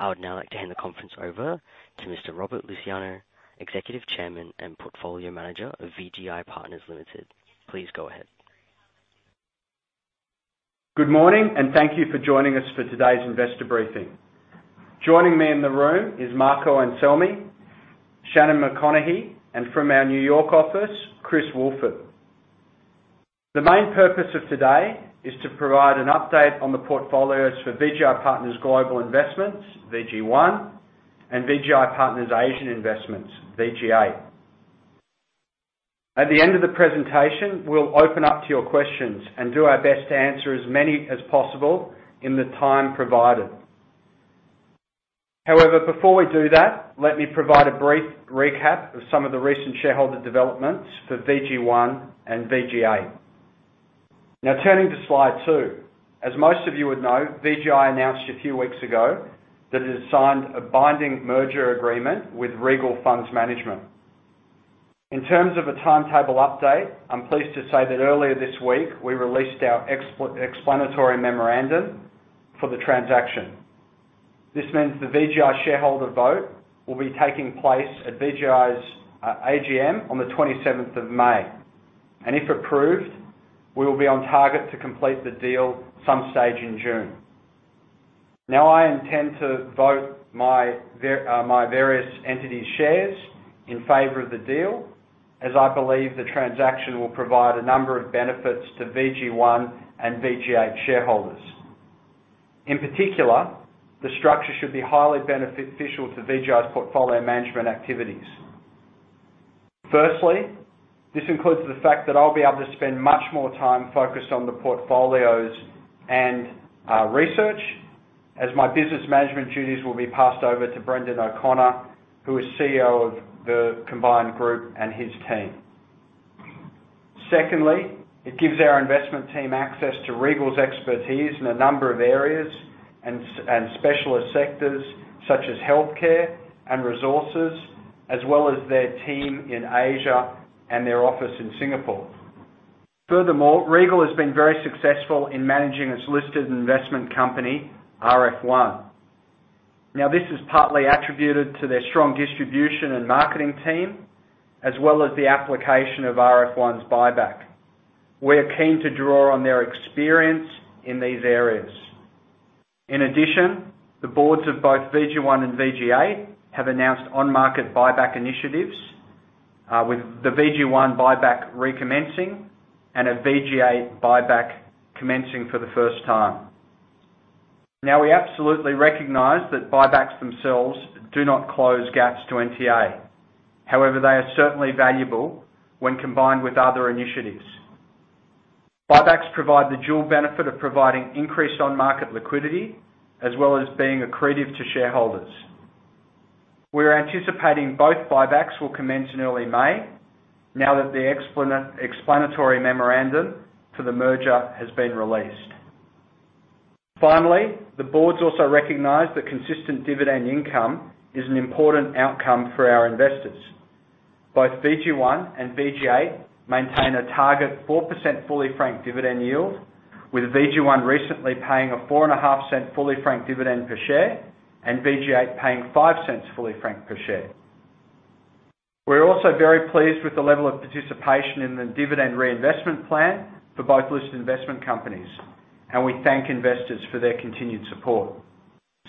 I would now like to hand the conference over to Mr. Robert Luciano, Executive Chairman and Portfolio Manager of VGI Partners Limited. Please go ahead. Good morning, and thank you for joining us for today's investor briefing. Joining me in the room is Marco Anselmi, Shannon McConaghy, and from our New York office, Chris Walford. The main purpose of today is to provide an update on the portfolios for VGI Partners Global Investments, VG1, and VGI Partners Asian Investments, VG8. At the end of the presentation, we'll open up to your questions and do our best to answer as many as possible in the time provided. However, before we do that, let me provide a brief recap of some of the recent shareholder developments for VG1 and VG8. Now, turning to Slide 2. As most of you would know, VGI announced a few weeks ago that it has signed a binding merger agreement with Regal Funds Management. In terms of a timetable update, I'm pleased to say that earlier this week, we released our explanatory memorandum for the transaction. This means the VGI shareholder vote will be taking place at VGI's AGM on the twenty-seventh of May. If approved, we will be on target to complete the deal some stage in June. Now, I intend to vote my various entity shares in favor of the deal as I believe the transaction will provide a number of benefits to VG1 and VG8 shareholders. In particular, the structure should be highly beneficial to VGI's portfolio management activities. Firstly, this includes the fact that I'll be able to spend much more time focused on the portfolios and research as my business management duties will be passed over to Brendan O'Connor, who is CEO of the combined group and his team. Secondly, it gives our investment team access to Regal's expertise in a number of areas and specialist sectors such as healthcare and resources, as well as their team in Asia and their office in Singapore. Furthermore, Regal has been very successful in managing its listed investment company, RF1. Now, this is partly attributed to their strong distribution and marketing team, as well as the application of RF1's buyback. We're keen to draw on their experience in these areas. In addition, the boards of both VG1 and VG8 have announced on-market buyback initiatives, with the VG1 buyback recommencing and a VG8 buyback commencing for the first time. Now, we absolutely recognize that buybacks themselves do not close gaps to NTA. However, they are certainly valuable when combined with other initiatives. Buybacks provide the dual benefit of providing increased on-market liquidity, as well as being accretive to shareholders. We're anticipating both buybacks will commence in early May now that the explanatory memorandum for the merger has been released. Finally, the boards also recognize that consistent dividend income is an important outcome for our investors. Both VG1 and VG8 maintain a target 4% fully franked dividend yield, with VG1 recently paying a 0.045 fully franked dividend per share and VG8 paying 0.05 fully franked per share. We're also very pleased with the level of participation in the dividend reinvestment plan for both listed investment companies, and we thank investors for their continued support.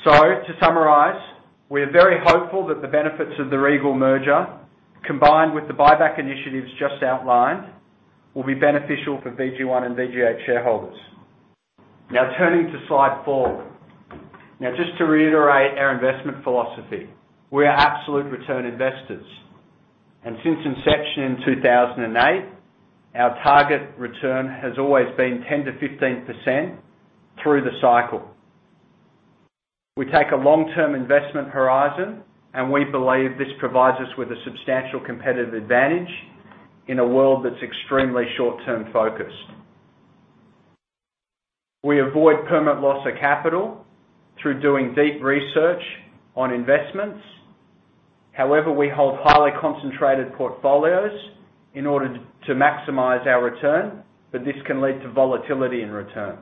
To summarize, we are very hopeful that the benefits of the Regal merger, combined with the buyback initiatives just outlined, will be beneficial for VG1 and VG8 shareholders. Now turning to Slide 4. Now, just to reiterate our investment philosophy, we are absolute return investors. Since inception in 2008, our target return has always been 10%-15% through the cycle. We take a long-term investment horizon, and we believe this provides us with a substantial competitive advantage in a world that's extremely short-term focused. We avoid permanent loss of capital through doing deep research on investments. However, we hold highly concentrated portfolios in order to maximize our return, but this can lead to volatility in return.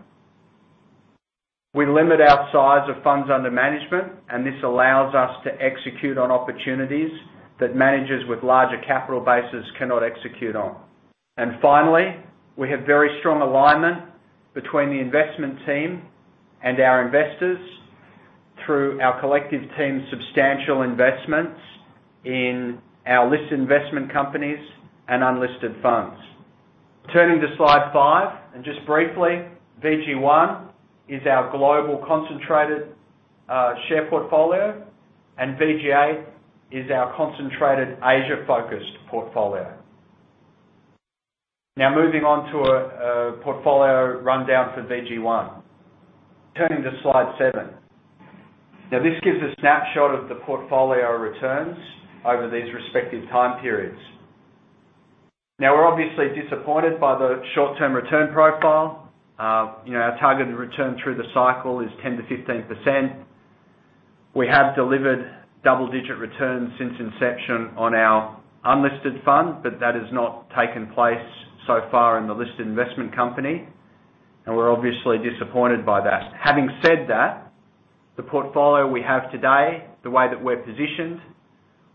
We limit our size of funds under management, and this allows us to execute on opportunities that managers with larger capital bases cannot execute on. Finally, we have very strong alignment between the investment team and our investors through our collective team's substantial investments in our listed investment companies and unlisted funds. Turning to Slide 5, and just briefly, VG1 is our global concentrated share portfolio, and VG8 is our concentrated Asia-focused portfolio. Now, moving on to a portfolio rundown for VG1. Turning to Slide 7. Now, this gives a snapshot of the portfolio returns over these respective time periods. Now, we're obviously disappointed by the short-term return profile. You know, our targeted return through the cycle is 10%-15%. We have delivered double-digit returns since inception on our unlisted fund, but that has not taken place so far in the listed investment company. We're obviously disappointed by that. Having said that, the portfolio we have today, the way that we're positioned,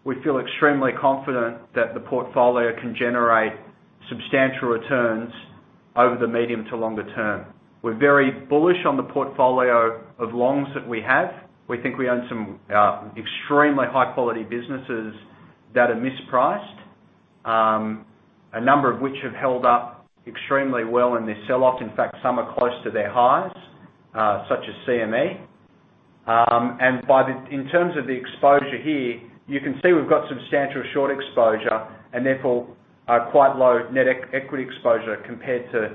we feel extremely confident that the portfolio can generate substantial returns over the medium to longer term. We're very bullish on the portfolio of longs that we have. We think we own some extremely high-quality businesses that are mispriced, a number of which have held up extremely well in this sell-off. In fact, some are close to their highs, such as CME. In terms of the exposure here, you can see we've got substantial short exposure, and therefore a quite low net equity exposure compared to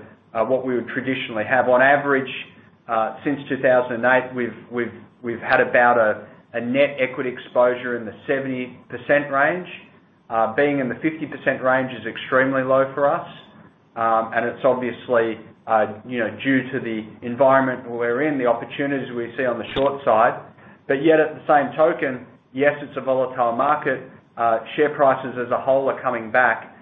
what we would traditionally have. On average, since 2008, we've had about a net equity exposure in the 70% range. Being in the 50% range is extremely low for us. It's obviously, you know, due to the environment we're in, the opportunities we see on the short side. Yet at the same token, yes, it's a volatile market, share prices as a whole are coming back,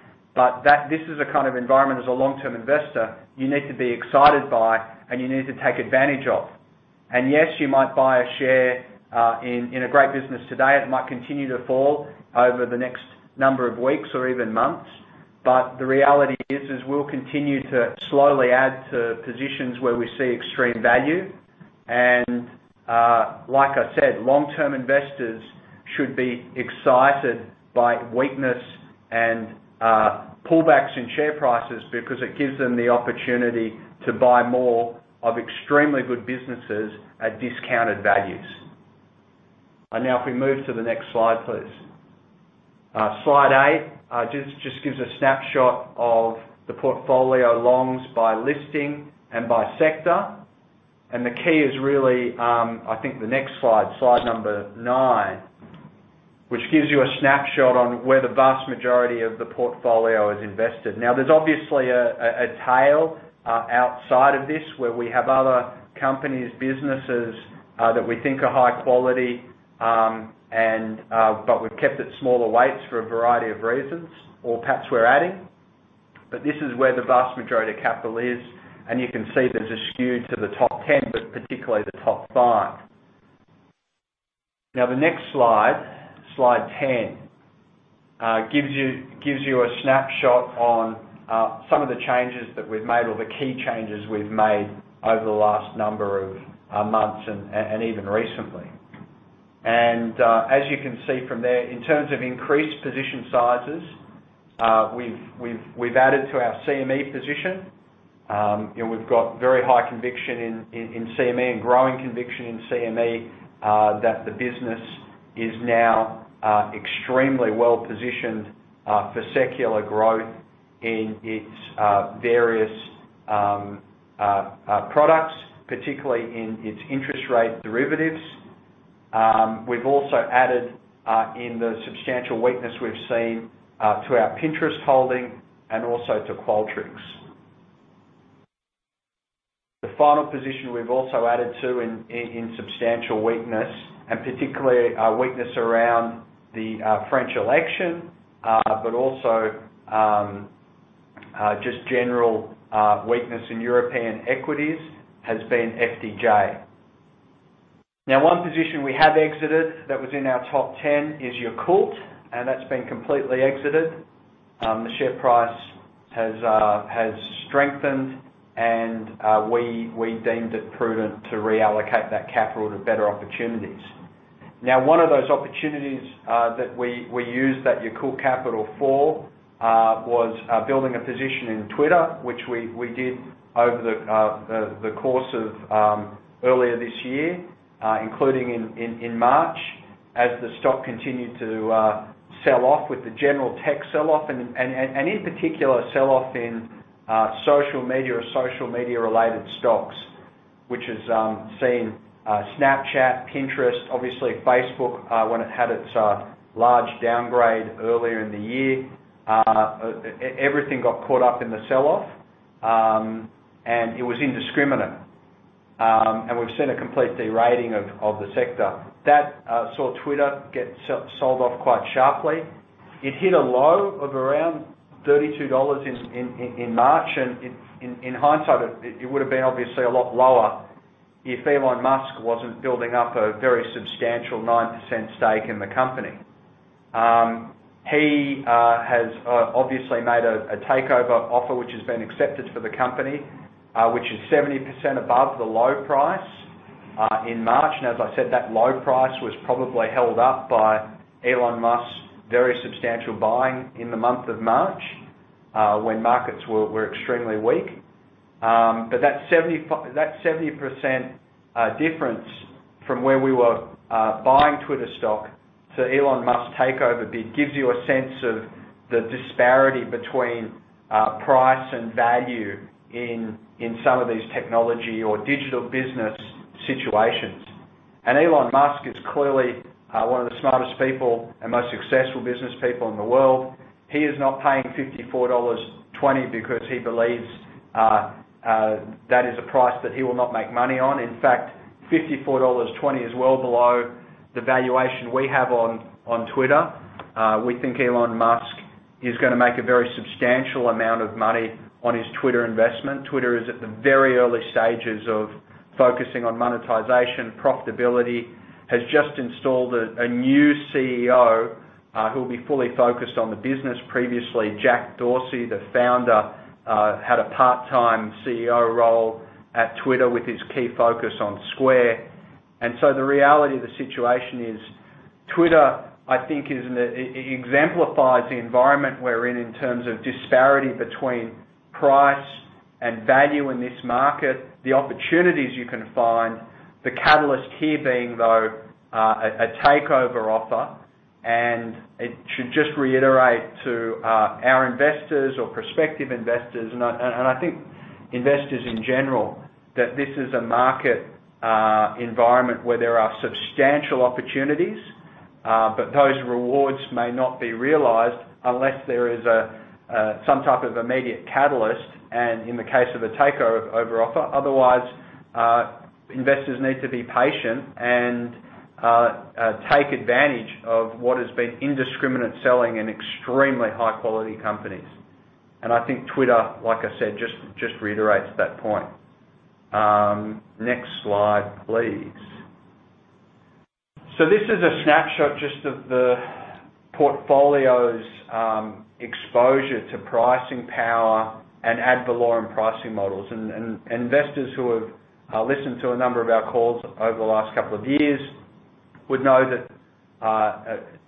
this is a kind of environment as a long-term investor you need to be excited by and you need to take advantage of. Yes, you might buy a share in a great business today. It might continue to fall over the next number of weeks or even months. The reality is we'll continue to slowly add to positions where we see extreme value. Like I said, long-term investors should be excited by weakness and pullbacks in share prices because it gives them the opportunity to buy more of extremely good businesses at discounted values. Now if we move to the next slide, please. Slide 8 just gives a snapshot of the portfolio longs by listing and by sector. The key is really, I think the next Slide number 9, which gives you a snapshot on where the vast majority of the portfolio is invested. There's obviously a tail outside of this, where we have other companies, businesses that we think are high quality, and but we've kept at smaller weights for a variety of reasons, or perhaps we're adding. This is where the vast majority of capital is, and you can see that it is skewed to the top 10, but particularly the top 5. Now the next Slide 10, gives you a snapshot on some of the changes that we've made or the key changes we've made over the last number of months and even recently. As you can see from there, in terms of increased position sizes, we've added to our CME position. We've got very high conviction in CME and growing conviction in CME that the business is now extremely well-positioned for secular growth in its various products, particularly in its interest rate derivatives. We've also added in the substantial weakness we've seen to our Pinterest holding and also to Qualtrics. The final position we've also added to in substantial weakness, and particularly weakness around the French election, but also just general weakness in European equities, has been FDJ. Now, one position we have exited that was in our top 10 is Jucolt, and that's been completely exited. The share price has strengthened, and we deemed it prudent to reallocate that capital to better opportunities. Now, one of those opportunities that we used that Jucolt capital for was building a position in Twitter, which we did over the course of earlier this year, including in March, as the stock continued to sell off with the general tech sell-off and in particular, sell-off in social media or social media-related stocks, which has seen Snapchat, Pinterest, obviously Facebook, when it had its large downgrade earlier in the year. Everything got caught up in the sell-off, and it was indiscriminate. We've seen a complete de-rating of the sector. That saw Twitter get sold off quite sharply. It hit a low of around $32 in March, and in hindsight, it would've been obviously a lot lower if Elon Musk wasn't building up a very substantial 9% stake in the company. He has obviously made a takeover offer which has been accepted for the company, which is 70% above the low price in March. As I said, that low price was probably held up by Elon Musk's very substantial buying in the month of March, when markets were extremely weak. That 70% difference from where we were buying Twitter stock to Elon Musk's takeover bid gives you a sense of the disparity between price and value in some of these technology or digital business situations. Elon Musk is clearly one of the smartest people and most successful business people in the world. He is not paying $54.20 because he believes that is a price that he will not make money on. In fact, $54.20 is well below the valuation we have on Twitter. We think Elon Musk is gonna make a very substantial amount of money on his Twitter investment. Twitter is at the very early stages of focusing on monetization, profitability, has just installed a new CEO who'll be fully focused on the business. Previously, Jack Dorsey, the founder, had a part-time CEO role at Twitter with his key focus on Square. The reality of the situation is Twitter, I think is an... Exemplifies the environment we're in in terms of disparity between price and value in this market, the opportunities you can find, the catalyst here being, though, a takeover offer. It should just reiterate to our investors or prospective investors, and I think investors in general, that this is a market environment where there are substantial opportunities, but those rewards may not be realized unless there is some type of immediate catalyst and in the case of a takeover offer. Otherwise, investors need to be patient and take advantage of what has been indiscriminate selling in extremely high quality companies. I think Twitter, like I said, just reiterates that point. Next slide, please. This is a snapshot just of the portfolio's exposure to pricing power and ad valorem pricing models. Investors who have listened to a number of our calls over the last couple of years would know that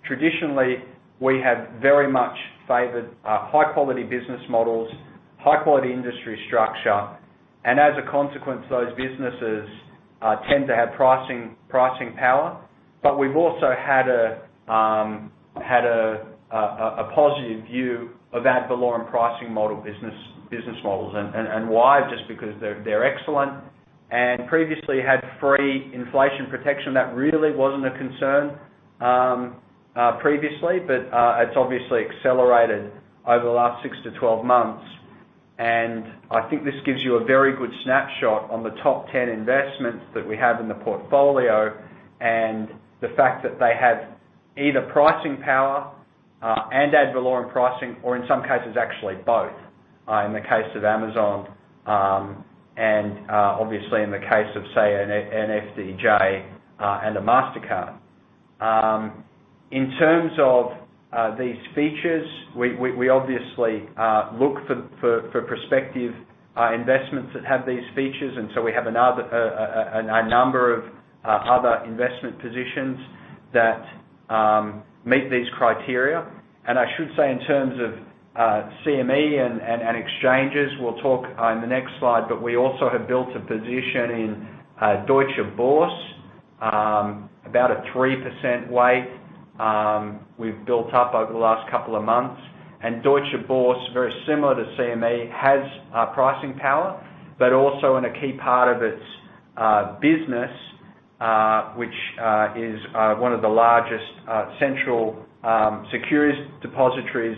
traditionally we have very much favored high quality business models, high quality industry structure, and as a consequence, those businesses tend to have pricing power. But we've also had a positive view of ad valorem pricing model business models. Why? Just because they're excellent and previously had free inflation protection that really wasn't a concern previously, but it's obviously accelerated over the last 6 to 12 months. I think this gives you a very good snapshot on the top 10 investments that we have in the portfolio, and the fact that they have either pricing power, and ad valorem pricing, or in some cases, actually both, in the case of Amazon, and obviously in the case of, say, an FDJ, and a Mastercard. In terms of these features, we obviously look for prospective investments that have these features, and we have a number of other investment positions that meet these criteria. I should say in terms of CME and exchanges, we'll talk on the next slide, but we also have built a position in Deutsche Börse, about a 3% weight, we've built up over the last couple of months. Deutsche Börse, very similar to CME, has pricing power, but also in a key part of its business, which is one of the largest central securities depositories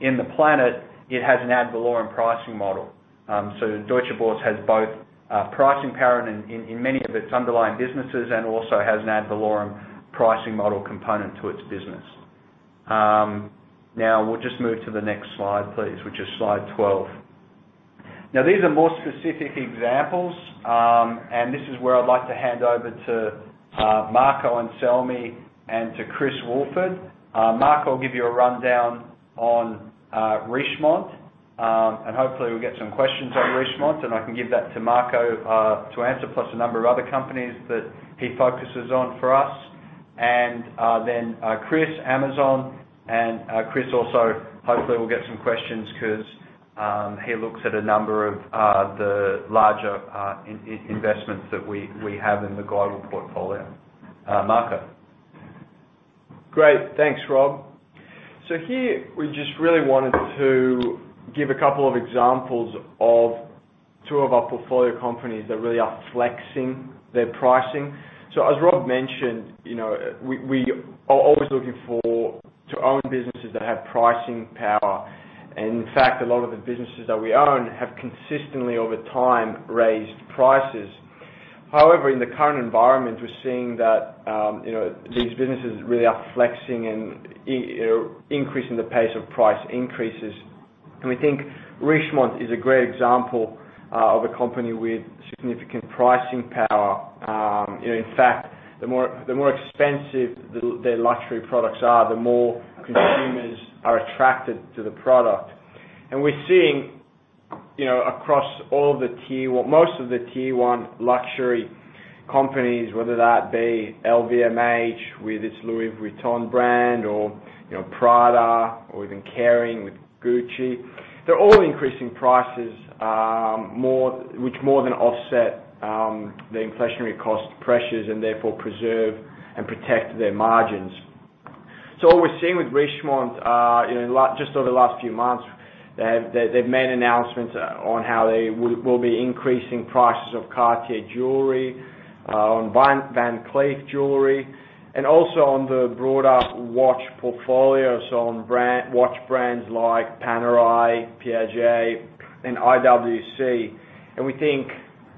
in the planet, it has an ad valorem pricing model. Deutsche Börse has both pricing power in many of its underlying businesses and also has an ad valorem pricing model component to its business. Now we'll just move to the next slide, please, which is Slide 12. Now, these are more specific examples, and this is where I'd like to hand over to Marco Anselmi and to Chris Walford. Marco will give you a rundown on Richemont, and hopefully we'll get some questions on Richemont, and I can give that to Marco to answer, plus a number of other companies that he focuses on for us. Chris, Amazon, and Chris also, hopefully we'll get some questions 'cause he looks at a number of the larger investments that we have in the global portfolio. Marco. Great. Thanks, Rob. Here, we just really wanted to give a couple of examples of two of our portfolio companies that really are flexing their pricing. As Rob mentioned, you know, we are always looking for to own businesses that have pricing power. In fact, a lot of the businesses that we own have consistently over time raised prices. However, in the current environment, we're seeing that, you know, these businesses really are flexing and increasing the pace of price increases. We think Richemont is a great example of a company with significant pricing power. You know, in fact, the more expensive their luxury products are, the more consumers are attracted to the product. We're seeing, you know, across most of the tier one luxury companies, whether that be LVMH with its Louis Vuitton brand or, you know, Prada or even Kering with Gucci, they're all increasing prices, which more than offset the inflationary cost pressures and therefore preserve and protect their margins. What we're seeing with Richemont, just over the last few months, they've made announcements on how they will be increasing prices of Cartier jewelry, on Van Cleef jewelry, and also on the broader watch portfolio, so on brand watch brands like Panerai, Piaget, and IWC. We think,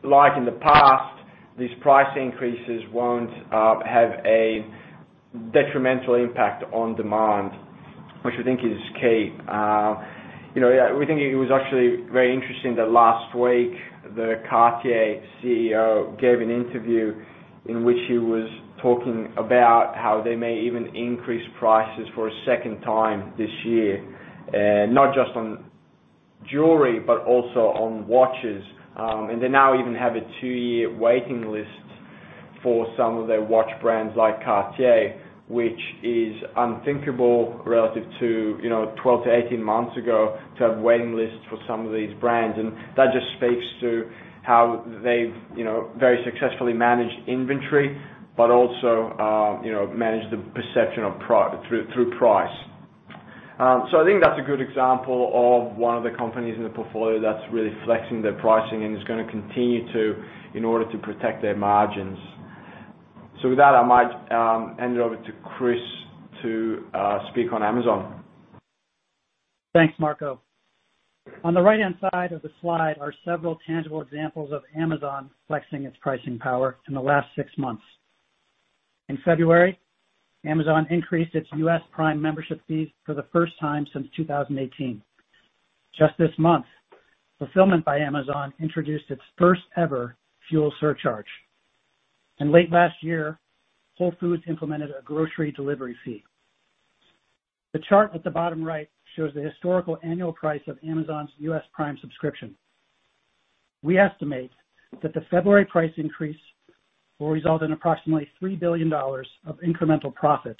like in the past These price increases won't have a detrimental impact on demand, which we think is key. You know, we think it was actually very interesting that last week the Cartier CEO gave an interview in which he was talking about how they may even increase prices for a second time this year, not just on jewelry, but also on watches. They now even have a two-year waiting list for some of their watch brands like Cartier, which is unthinkable relative to, you know, 12-18 months ago, to have waiting lists for some of these brands. That just speaks to how they've, you know, very successfully managed inventory, but also, you know, managed the perception of price through price. I think that's a good example of one of the companies in the portfolio that's really flexing their pricing and is gonna continue to, in order to protect their margins. With that, I might hand it over to Chris to speak on Amazon. Thanks, Marco. On the right-hand side of the slide are several tangible examples of Amazon flexing its pricing power in the last six months. In February, Amazon increased its Amazon Prime membership fees for the first time since 2018. Just this month, Fulfillment by Amazon introduced its first ever fuel surcharge. Late last year, Whole Foods implemented a grocery delivery fee. The chart at the bottom right shows the historical annual price of Amazon's Amazon Prime subscription. We estimate that the February price increase will result in approximately $3 billion of incremental profit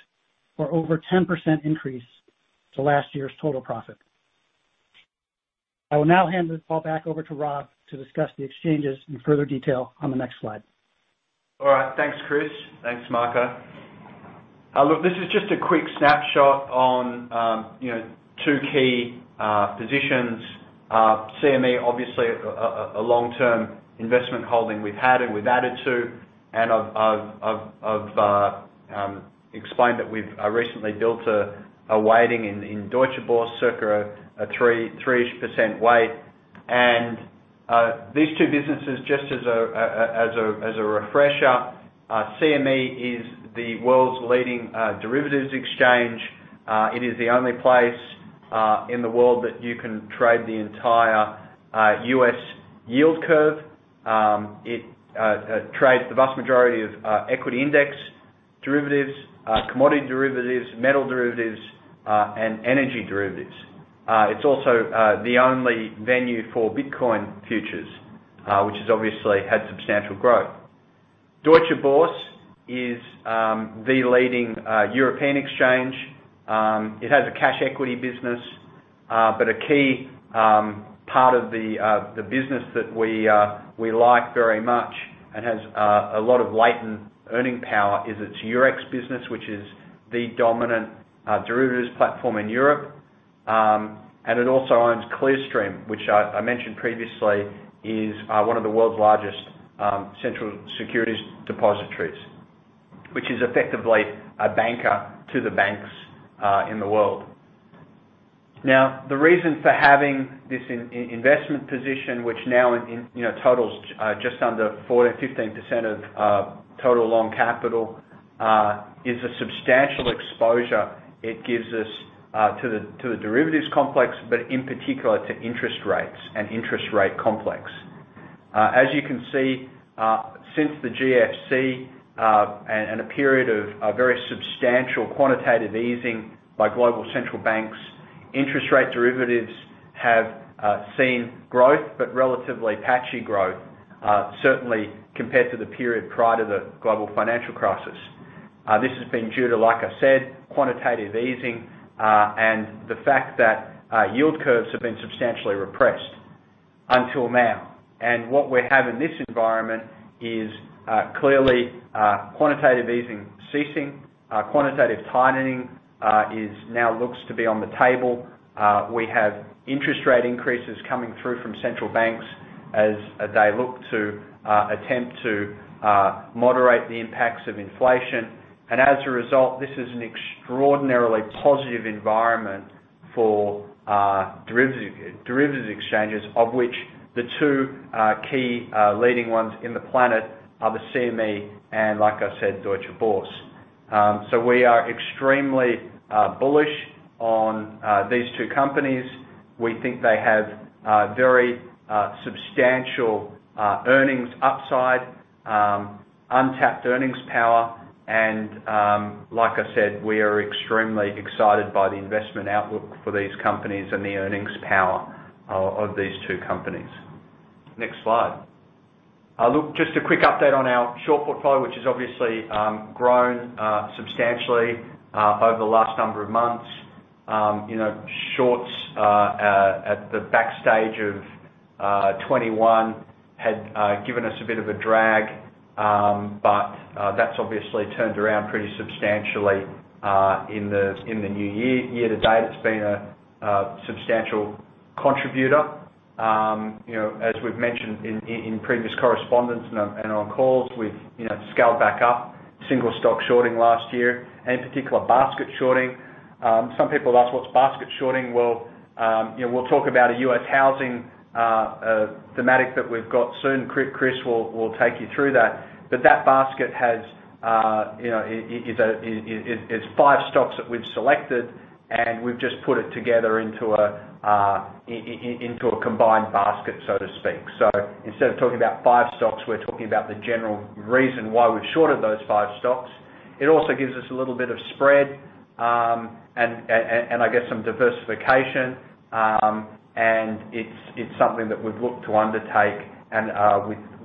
or over 10% increase to last year's total profit. I will now hand this call back over to Rob to discuss the exchanges in further detail on the next slide. All right. Thanks, Chris. Thanks, Marco. Look, this is just a quick snapshot on, you know, two key positions. CME, obviously a long-term investment holding we've had and we've added to, and I've explained that we've recently built a weighting in Deutsche Börse, circa a 3%-ish weight. These two businesses, just as a refresher, CME is the world's leading derivatives exchange. It is the only place in the world that you can trade the entire U.S. yield curve. It trades the vast majority of equity index derivatives, commodity derivatives, metal derivatives, and energy derivatives. It's also the only venue for Bitcoin futures, which has obviously had substantial growth. Deutsche Börse is the leading European exchange. It has a cash equity business, but a key part of the business that we like very much and has a lot of latent earning power is its Eurex business, which is the dominant derivatives platform in Europe. It also owns Clearstream, which I mentioned previously is one of the world's largest central securities depositories, which is effectively a banker to the banks in the world. Now, the reason for having this investment position, which now, you know, totals just under 4%-15% of total long capital, is a substantial exposure it gives us to the derivatives complex, but in particular to interest rates and interest rate complex. As you can see, since the GFC, and a period of very substantial quantitative easing by global central banks, interest rate derivatives have seen growth, but relatively patchy growth, certainly compared to the period prior to the global financial crisis. This has been due to, like I said, quantitative easing, and the fact that yield curves have been substantially repressed until now. What we have in this environment is clearly quantitative easing ceasing. Quantitative tightening now looks to be on the table. We have interest rate increases coming through from central banks as they look to attempt to moderate the impacts of inflation. This is an extraordinarily positive environment for derivatives exchanges, of which the two key leading ones in the planet are the CME and, like I said, Deutsche Börse. We are extremely bullish on these two companies. We think they have very substantial earnings upside, untapped earnings power, and, like I said, we are extremely excited by the investment outlook for these companies and the earnings power of these two companies. Next slide. Look, just a quick update on our short portfolio, which has obviously grown substantially over the last number of months. You know, shorts at the back half of 2021 had given us a bit of a drag. That's obviously turned around pretty substantially in the new year. Year-to-date, it's been a substantial contributor. You know, as we've mentioned in previous correspondence and on calls, we've scaled back our single stock shorting last year, and in particular basket shorting. Some people ask what's basket shorting? You know, we'll talk about a U.S. housing thematic that we've got soon. Chris will take you through that. That basket has, you know, it's five stocks that we've selected, and we've just put it together into a combined basket, so to speak. So instead of talking about five stocks, we're talking about the general reason why we've shorted those five stocks. It also gives us a little bit of spread, and I guess some diversification. It's something that we've looked to undertake and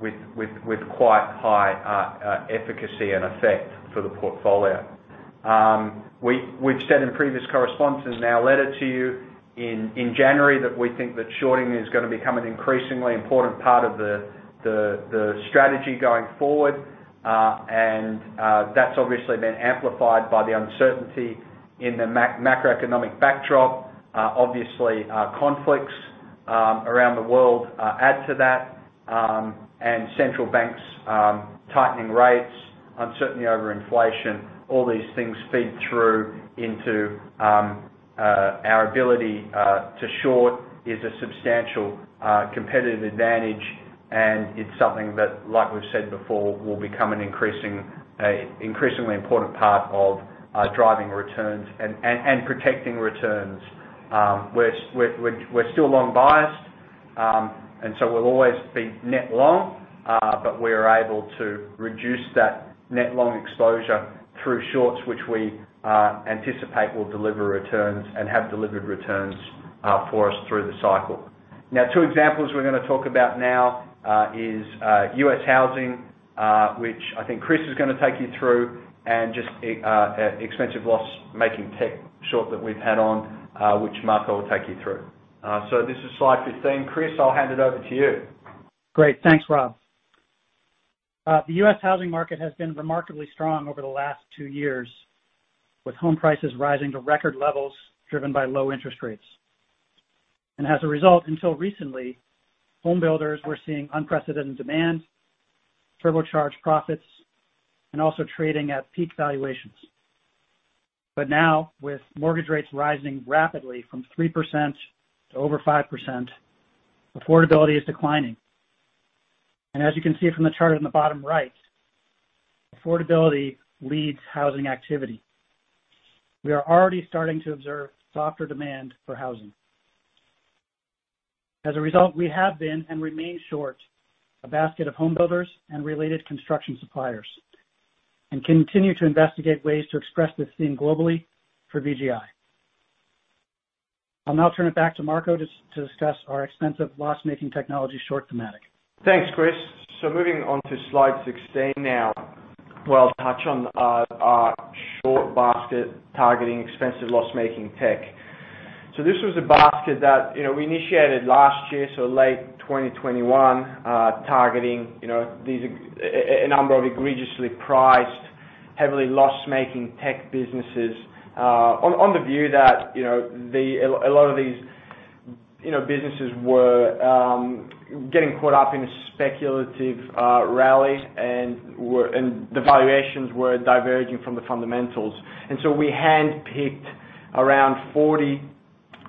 with quite high efficacy and effect for the portfolio. We've said in previous correspondence and our letter to you in January that we think that shorting is gonna become an increasingly important part of the strategy going forward. That's obviously been amplified by the uncertainty in the macroeconomic backdrop. Obviously, conflicts around the world add to that, and central banks tightening rates, uncertainty over inflation, all these things feed through into our ability to short is a substantial competitive advantage, and it's something that, like we've said before, will become an increasingly important part of driving returns and protecting returns. We're still long biased. We'll always be net long, but we're able to reduce that net long exposure through shorts, which we anticipate will deliver returns and have delivered returns for us through the cycle. Now, two examples we're gonna talk about now is U.S. housing, which I think Chris is gonna take you through, and just expensive loss-making tech short that we've had on, which Marco will take you through. This is Slide 15. Chris, I'll hand it over to you. Great. Thanks, Rob. The U.S. housing market has been remarkably strong over the last two years, with home prices rising to record levels driven by low interest rates. As a result, until recently, home builders were seeing unprecedented demand, turbocharge profits, and also trading at peak valuations. Now, with mortgage rates rising rapidly from 3% to over 5%, affordability is declining. As you can see from the chart on the bottom right, affordability leads housing activity. We are already starting to observe softer demand for housing. As a result, we have been and remain short a basket of home builders and related construction suppliers, and continue to investigate ways to express this theme globally for VGI. I'll now turn it back to Marco to discuss our expensive loss-making technology short thematic. Thanks, Chris. Moving on to Slide 16 now, where I'll touch on our short basket targeting expensive loss-making tech. This was a basket that, you know, we initiated last year, so late 2021, targeting, you know, these a number of egregiously priced, heavily loss-making tech businesses, on the view that, you know, that a lot of these, you know, businesses were getting caught up in a speculative rally and the valuations were diverging from the fundamentals. We hand-picked around 40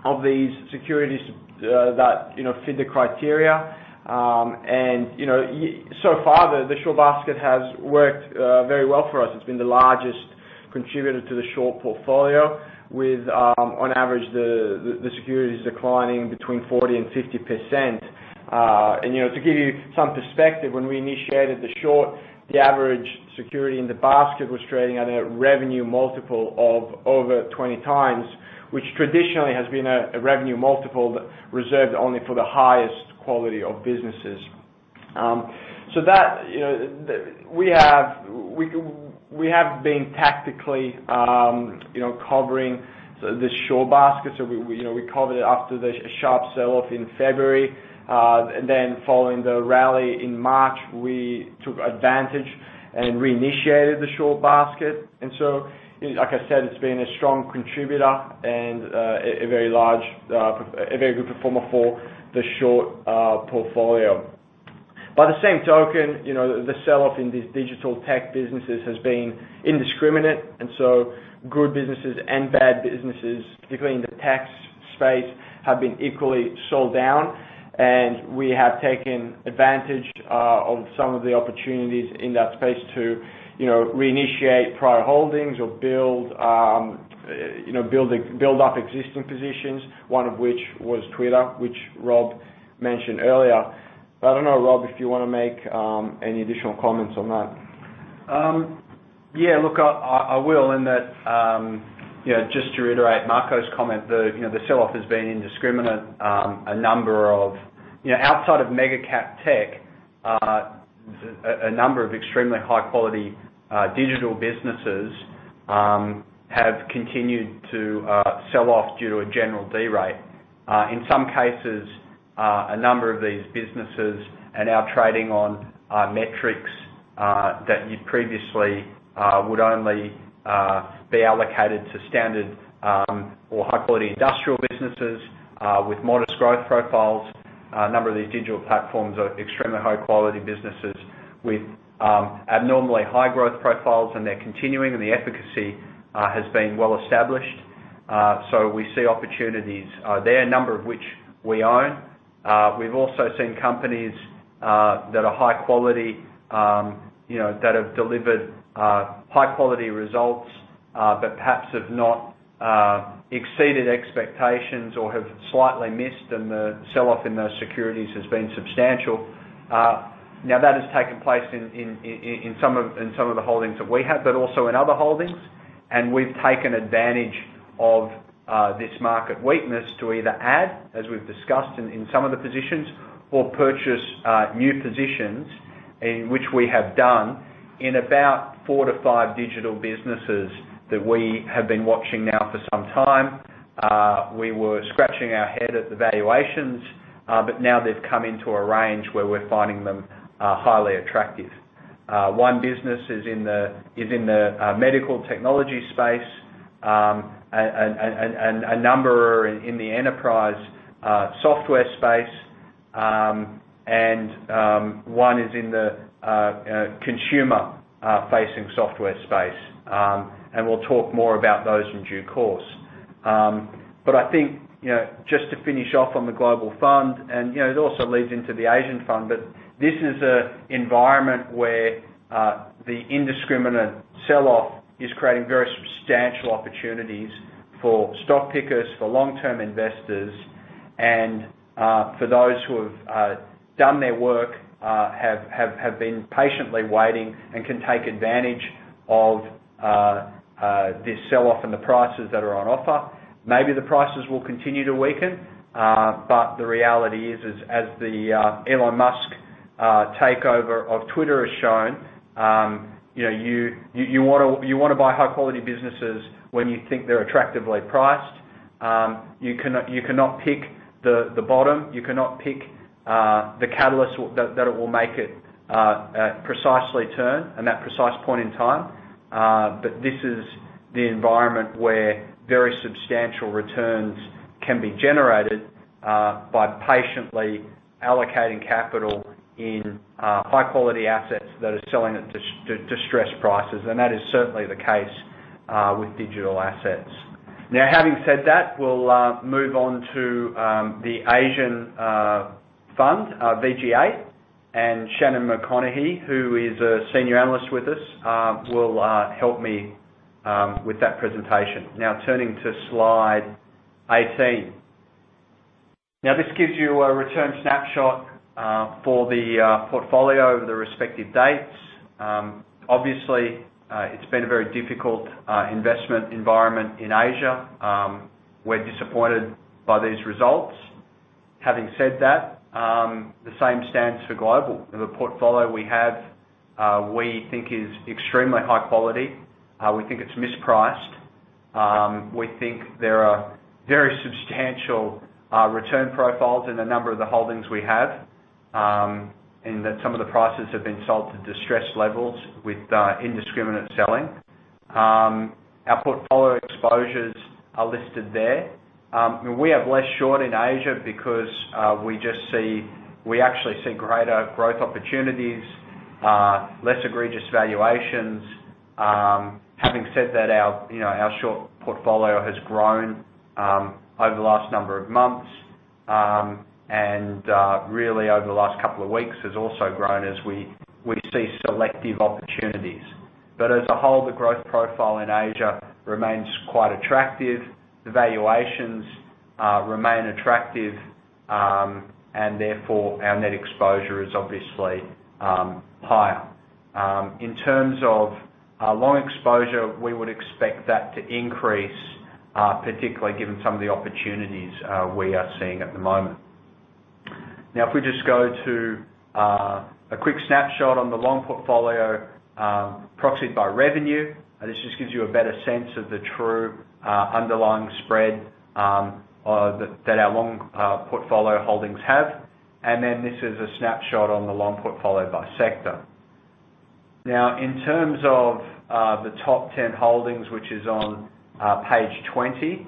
of these securities that, you know, fit the criteria. You know, so far, the short basket has worked very well for us. It's been the largest contributor to the short portfolio with, on average, the security is declining between 40% and 50%. To give you some perspective, when we initiated the short, the average security in the basket was trading at a revenue multiple of over 20x, which traditionally has been a revenue multiple reserved only for the highest quality of businesses. We have been tactically covering the short basket. We covered it after the sharp sell-off in February. Following the rally in March, we took advantage and reinitiated the short basket. Like I said, it's been a strong contributor and a very large, a very good performer for the short portfolio. By the same token, you know, the sell-off in these digital tech businesses has been indiscriminate, and so good businesses and bad businesses, particularly in the tech space, have been equally sold down. We have taken advantage of some of the opportunities in that space to, you know, reinitiate prior holdings or build up existing positions, one of which was Twitter, which Rob mentioned earlier. I don't know, Rob, if you wanna make any additional comments on that. Yeah, look, I will in that, you know, just to reiterate Marco's comment, you know, the sell-off has been indiscriminate. A number of you know, outside of mega cap tech, a number of extremely high quality digital businesses have continued to sell off due to a general derate. In some cases, a number of these businesses are now trading on metrics that you previously would only be allocated to standard or high-quality industrial businesses with modest growth profiles. A number of these digital platforms are extremely high quality businesses with abnormally high growth profiles, and they're continuing, and the efficacy has been well established. So we see opportunities there, a number of which we own. We've also seen companies that are high quality, you know, that have delivered high quality results, but perhaps have not exceeded expectations or have slightly missed, and the sell-off in those securities has been substantial. Now that has taken place in some of the holdings that we have, but also in other holdings. We've taken advantage of this market weakness to either add, as we've discussed in some of the positions, or purchase new positions, in which we have done in about four-five digital businesses that we have been watching now for some time. We were scratching our head at the valuations, but now they've come into a range where we're finding them highly attractive. One business is in the medical technology space, and a number are in the enterprise software space, and one is in the consumer facing software space. We'll talk more about those in due course. I think, you know, just to finish off on the global fund, you know, it also leads into the Asian fund. This is an environment where the indiscriminate sell-off is creating very substantial opportunities for stock pickers, for long-term investors, and for those who have done their work, have been patiently waiting and can take advantage of this sell-off and the prices that are on offer. Maybe the prices will continue to weaken, but the reality is as the Elon Musk takeover of Twitter has shown, you know, you wanna buy high quality businesses when you think they're attractively priced. You cannot pick the bottom. You cannot pick the catalyst that will make it precisely turn and that precise point in time. This is the environment where very substantial returns can be generated by patiently allocating capital in high quality assets that are selling at distressed prices. That is certainly the case with digital assets. Now having said that, we'll move on to the Asian fund, VG8, and Shannon McConaghy, who is a senior analyst with us, will help me with that presentation. Now turning to Slide 18. This gives you a return snapshot for the portfolio over the respective dates. Obviously, it's been a very difficult investment environment in Asia. We're disappointed by these results. Having said that, the same stands for global. The portfolio we have, we think is extremely high quality. We think it's mispriced. We think there are very substantial return profiles in a number of the holdings we have, in that some of the prices have been sold to distressed levels with indiscriminate selling. Our portfolio exposures are listed there. We have less short in Asia because we just see, we actually see greater growth opportunities, less egregious valuations. Having said that, our, you know, our short portfolio has grown over the last number of months, and really over the last couple of weeks has also grown as we see selective opportunities. As a whole, the growth profile in Asia remains quite attractive. The valuations remain attractive, and therefore our net exposure is obviously higher. In terms of our long exposure, we would expect that to increase, particularly given some of the opportunities we are seeing at the moment. Now, if we just go to a quick snapshot on the long portfolio, proxied by revenue. This just gives you a better sense of the true underlying spread that our long portfolio holdings have. Then this is a snapshot on the long portfolio by sector. Now in terms of the top 10 holdings, which is on Page 20,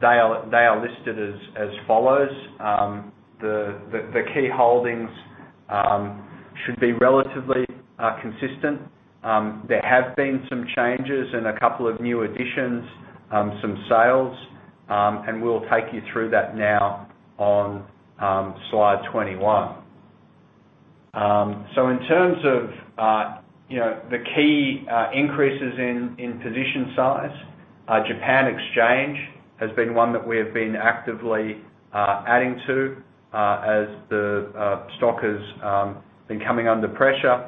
they are listed as follows. The key holdings should be relatively consistent. There have been some changes and a couple of new additions, some sales, and we'll take you through that now on Slide 21. In terms of you know the key increases in position size, Japan Exchange has been one that we have been actively adding to as the stock has been coming under pressure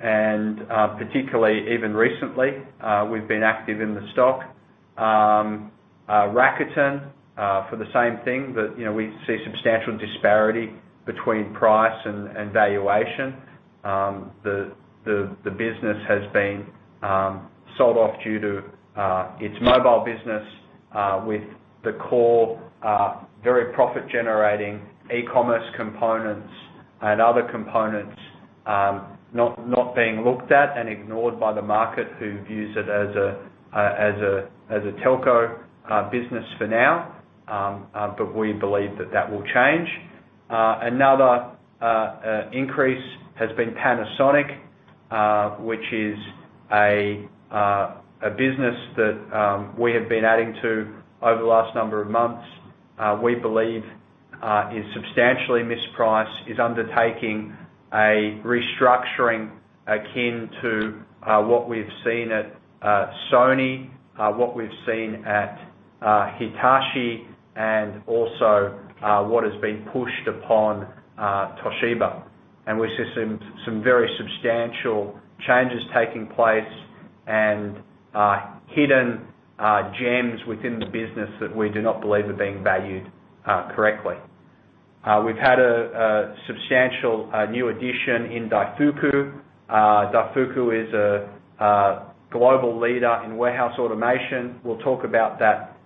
and particularly even recently we've been active in the stock. Rakuten for the same thing that you know we see substantial disparity between price and valuation. The business has been sold off due to its mobile business, with the core very profit-generating e-commerce components and other components not being looked at and ignored by the market who views it as a telco business for now. We believe that will change. Another increase has been Panasonic, which is a business that we have been adding to over the last number of months. We believe is substantially mispriced, is undertaking a restructuring akin to what we've seen at Sony, what we've seen at Hitachi, and also what has been pushed upon Toshiba. We're seeing some very substantial changes taking place and hidden gems within the business that we do not believe are being valued correctly. We've had a substantial new addition in Daifuku. Daifuku is a global leader in warehouse automation. We'll talk about that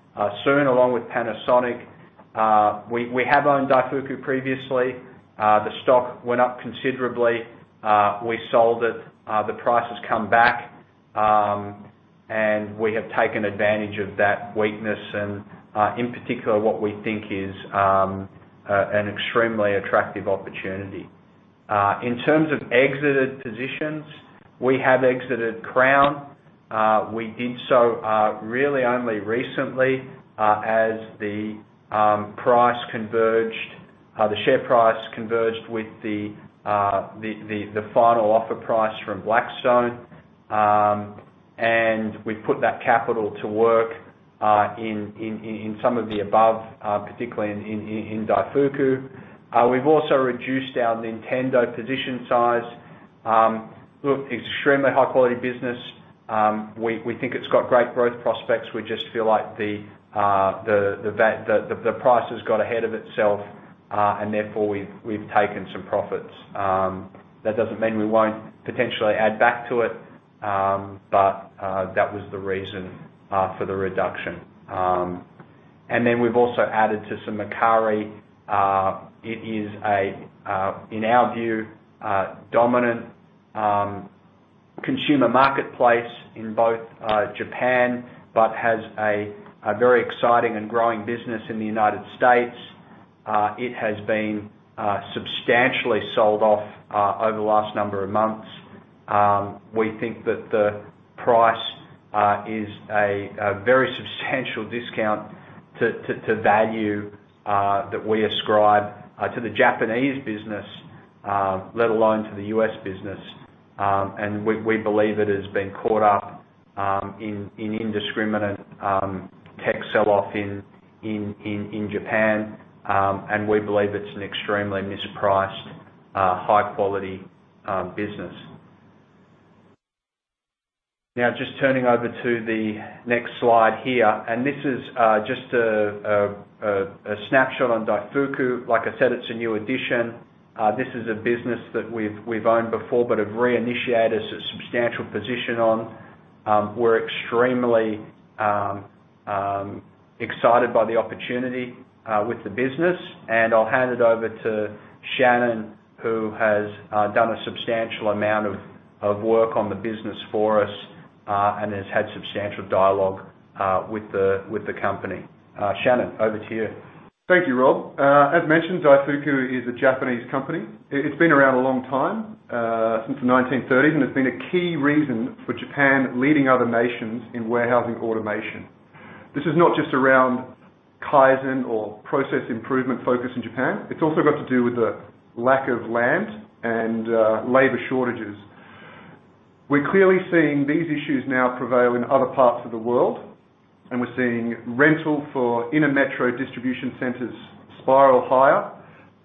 soon, along with Panasonic. We have owned Daifuku previously. The stock went up considerably. We sold it. The price has come back and we have taken advantage of that weakness and in particular, what we think is an extremely attractive opportunity. In terms of exited positions, we have exited Crown. We did so really only recently as the share price converged with the final offer price from Blackstone. We've put that capital to work in some of the above, particularly in Daifuku. We've also reduced our Nintendo position size. Look, extremely high-quality business. We think it's got great growth prospects. We just feel like the price has got ahead of itself, and therefore, we've taken some profits. That doesn't mean we won't potentially add back to it, but that was the reason for the reduction. We've also added to some Mercari. It is, in our view, a dominant consumer marketplace in both Japan, but has a very exciting and growing business in the United States. It has been substantially sold off over the last number of months. We think that the price is a very substantial discount to value that we ascribe to the Japanese business, let alone to the U.S. business. We believe it has been caught up in indiscriminate tech sell-off in Japan. We believe it's an extremely mispriced high quality business. Now, just turning over to the next slide here. This is just a snapshot on Daifuku. Like I said, it's a new addition. This is a business that we've owned before, but have reinitiated a substantial position on. We're extremely excited by the opportunity with the business. I'll hand it over to Shannon, who has done a substantial amount of work on the business for us, and has had substantial dialogue with the company. Shannon, over to you. Thank you, Rob. As mentioned, Daifuku is a Japanese company. It's been around a long time, since the 1930s, and it's been a key reason for Japan leading other nations in warehousing automation. This is not just around kaizen or process improvement focus in Japan. It's also got to do with the lack of land and labor shortages. We're clearly seeing these issues now prevail in other parts of the world, and we're seeing rental for inner metro distribution centers spiral higher,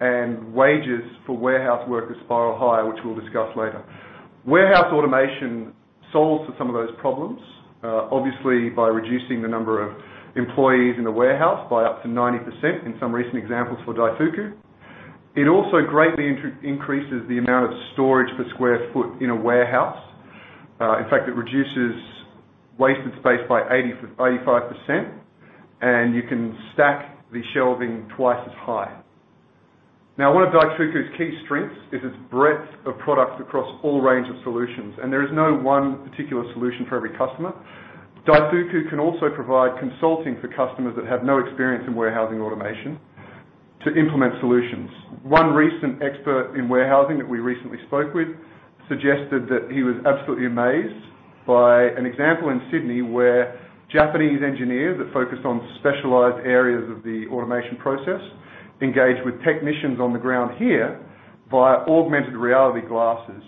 and wages for warehouse workers spiral higher, which we'll discuss later. Warehouse automation solves for some of those problems, obviously by reducing the number of employees in a warehouse by up to 90% in some recent examples for Daifuku. It also greatly increases the amount of storage per square foot in a warehouse. In fact, it reduces wasted space by 85%, and you can stack the shelving twice as high. Now, one of Daifuku's key strengths is its breadth of products across all range of solutions, and there is no one particular solution for every customer. Daifuku can also provide consulting for customers that have no experience in warehousing automation to implement solutions. One recent expert in warehousing that we recently spoke with suggested that he was absolutely amazed by an example in Sydney where Japanese engineers that focus on specialized areas of the automation process engage with technicians on the ground here via augmented reality glasses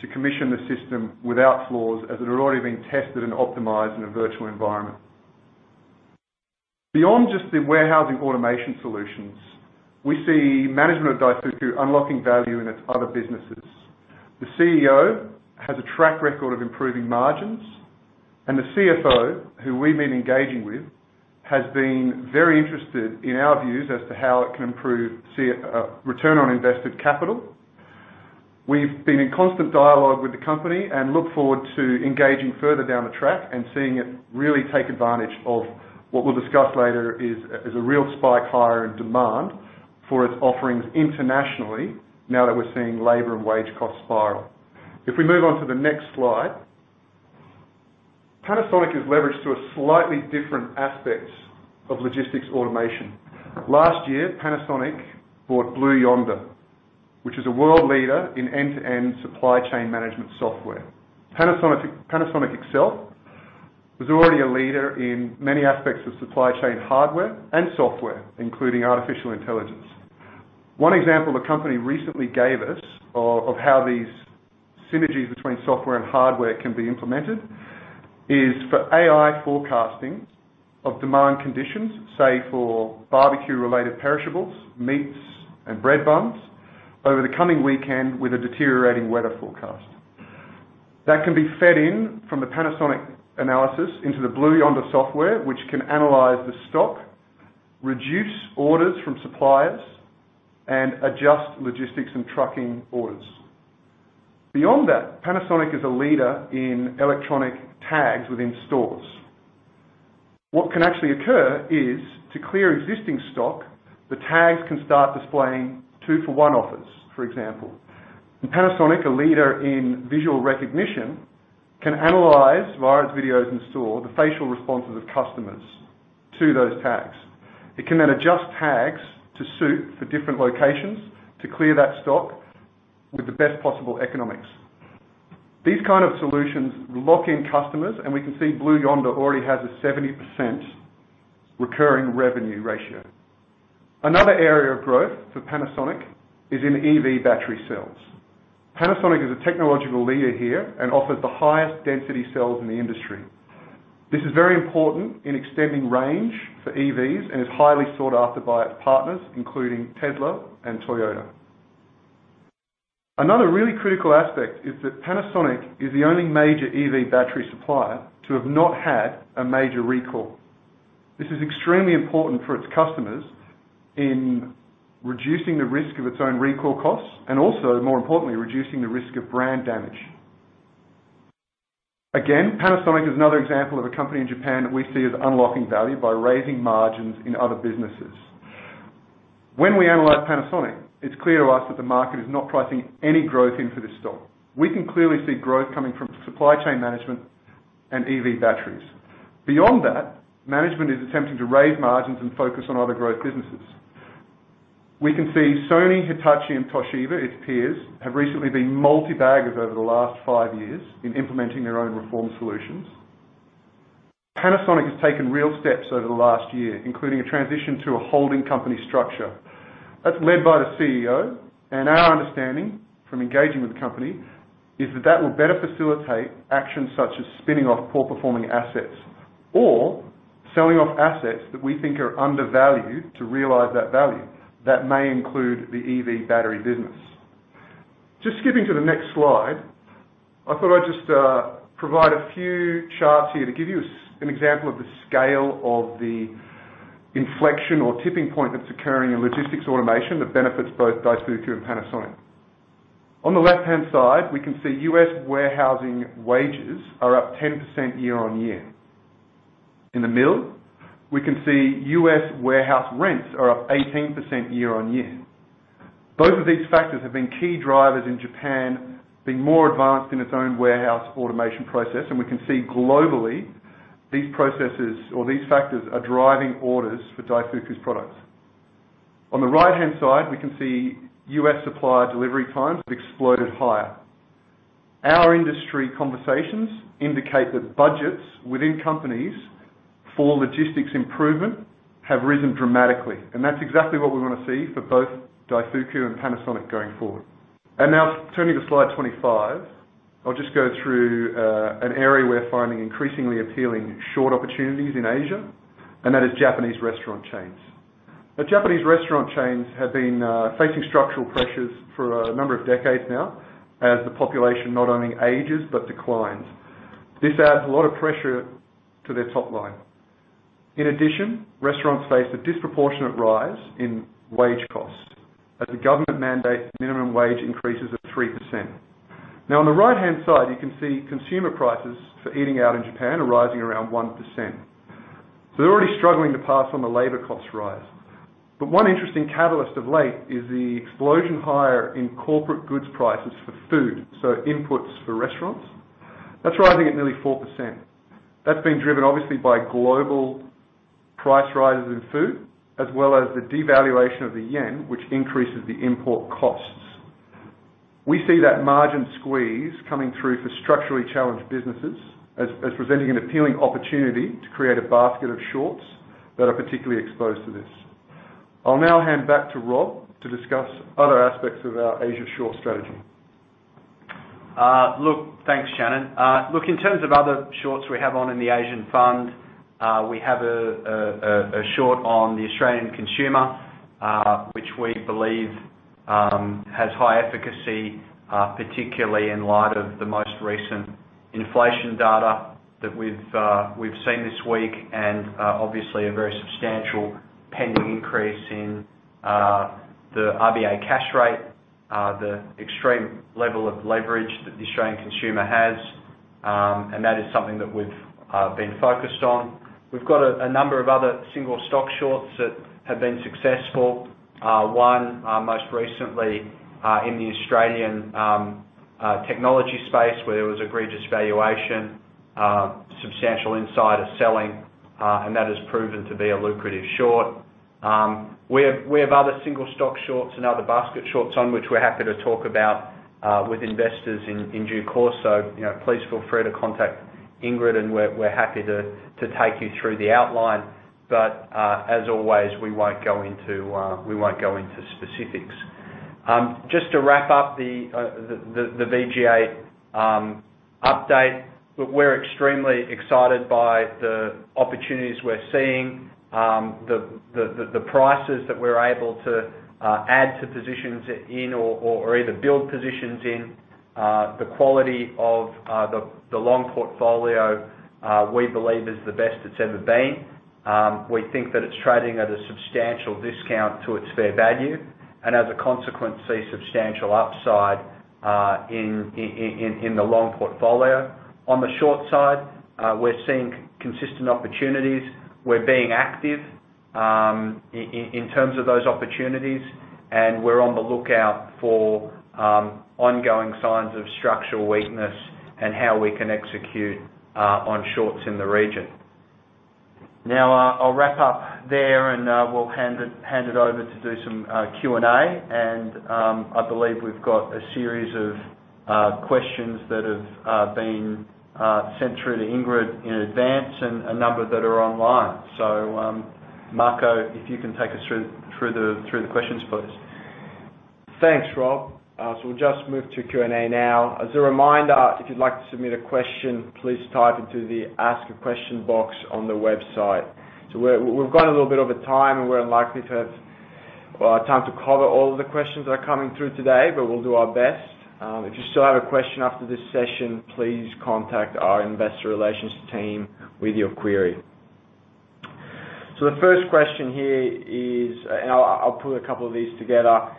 to commission the system without flaws as it had already been tested and optimized in a virtual environment. Beyond just the warehousing automation solutions, we see management of Daifuku unlocking value in its other businesses. The CEO has a track record of improving margins, and the CFO, who we've been engaging with, has been very interested in our views as to how it can improve CF, return on invested capital. We've been in constant dialogue with the company and look forward to engaging further down the track and seeing it really take advantage of what we'll discuss later is a real spike higher in demand for its offerings internationally now that we're seeing labor and wage costs spiral. If we move on to the next slide. Panasonic is leveraged to a slightly different aspect of logistics automation. Last year, Panasonic bought Blue Yonder, which is a world leader in end-to-end supply chain management software. Panasonic itself was already a leader in many aspects of supply chain hardware and software, including artificial intelligence. One example the company recently gave us of how these synergies between software and hardware can be implemented is for AI forecasting of demand conditions, say, for barbecue-related perishables, meats and bread buns over the coming weekend with a deteriorating weather forecast. That can be fed in from the Panasonic analysis into the Blue Yonder software, which can analyze the stock, reduce orders from suppliers, and adjust logistics and trucking orders. Beyond that, Panasonic is a leader in electronic tags within stores. What can actually occur is, to clear existing stock, the tags can start displaying two-for-one offers, for example. Panasonic, a leader in visual recognition, can analyze via its videos in store the facial responses of customers to those tags. It can then adjust tags to suit for different locations to clear that stock with the best possible economics. These kind of solutions lock in customers, and we can see Blue Yonder already has a 70% recurring revenue ratio. Another area of growth for Panasonic is in EV battery cells. Panasonic is a technological leader here and offers the highest density cells in the industry. This is very important in extending range for EVs and is highly sought after by its partners, including Tesla and Toyota. Another really critical aspect is that Panasonic is the only major EV battery supplier to have not had a major recall. This is extremely important for its customers in reducing the risk of its own recall costs and also, more importantly, reducing the risk of brand damage. Again, Panasonic is another example of a company in Japan that we see as unlocking value by raising margins in other businesses. When we analyze Panasonic, it's clear to us that the market is not pricing any growth into this stock. We can clearly see growth coming from supply chain management and EV batteries. Beyond that, management is attempting to raise margins and focus on other growth businesses. We can see Sony, Hitachi, and Toshiba, its peers, have recently been multi-baggers over the last five years in implementing their own reform solutions. Panasonic has taken real steps over the last year, including a transition to a holding company structure. That's led by the CEO, and our understanding from engaging with the company is that that will better facilitate actions such as spinning off poor performing assets or selling off assets that we think are undervalued to realize that value. That may include the EV battery business. Just skipping to the next slide, I thought I'd just provide a few charts here to give you an example of the scale of the inflection or tipping point that's occurring in logistics automation that benefits both Daifuku and Panasonic. On the left-hand side, we can see U.S. warehousing wages are up 10% year-on-year. In the middle, we can see U.S. warehouse rents are up 18% year-on-year. Both of these factors have been key drivers in Japan being more advanced in its own warehouse automation process, and we can see globally these processes or these factors are driving orders for Daifuku's products. On the right-hand side, we can see U.S. supplier delivery times have exploded higher. Our industry conversations indicate that budgets within companies for logistics improvement have risen dramatically, and that's exactly what we want to see for both Daifuku and Panasonic going forward. Now turning to Slide 25, I'll just go through an area we're finding increasingly appealing short opportunities in Asia, and that is Japanese restaurant chains. Japanese restaurant chains have been facing structural pressures for a number of decades now, as the population not only ages but declines. This adds a lot of pressure to their top line. In addition, restaurants face a disproportionate rise in wage costs as the government mandates minimum wage increases of 3%. Now, on the right-hand side, you can see consumer prices for eating out in Japan are rising around 1%, so they're already struggling to pass on the labor cost rise. One interesting catalyst of late is the explosion higher in corporate goods prices for food, so inputs for restaurants. That's rising at nearly 4%. That's been driven obviously by global price rises in food, as well as the devaluation of the yen, which increases the import costs. We see that margin squeeze coming through for structurally challenged businesses as presenting an appealing opportunity to create a basket of shorts that are particularly exposed to this. I'll now hand back to Rob to discuss other aspects of our Asia short strategy. Look, thanks, Shannon. In terms of other shorts we have on in the Asian fund, we have a short on the Australian consumer, which we believe has high efficacy, particularly in light of the most recent inflation data that we've seen this week and obviously a very substantial pending increase in the RBA cash rate, the extreme level of leverage that the Australian consumer has, and that is something that we've been focused on. We've got a number of other single stock shorts that have been successful. One, most recently, in the Australian technology space where there was egregious valuation, substantial insider selling, and that has proven to be a lucrative short. We have other single stock shorts and other basket shorts on which we're happy to talk about with investors in due course. You know, please feel free to contact Ingrid, and we're happy to take you through the outline. As always, we won't go into specifics. Just to wrap up the VG1 update, look, we're extremely excited by the opportunities we're seeing. The prices that we're able to add to positions in or either build positions in. The quality of the long portfolio we believe is the best it's ever been. We think that it's trading at a substantial discount to its fair value, and as a consequence, see substantial upside in the long portfolio. On the short side, we're seeing consistent opportunities. We're being active in terms of those opportunities, and we're on the lookout for ongoing signs of structural weakness and how we can execute on shorts in the region. Now, I'll wrap up there, and we'll hand it over to do some Q&A. I believe we've got a series of questions that have been sent through to Ingrid in advance and a number that are online. Marco, if you can take us through the questions, please. Thanks, Rob. We'll just move to Q&A now. As a reminder, if you'd like to submit a question, please type into the Ask a Question box on the website. We've gone a little bit over time, and we're unlikely to have time to cover all of the questions that are coming through today, but we'll do our best. If you still have a question after this session, please contact our investor relations team with your query. The first question here is, and I'll put a couple of these together,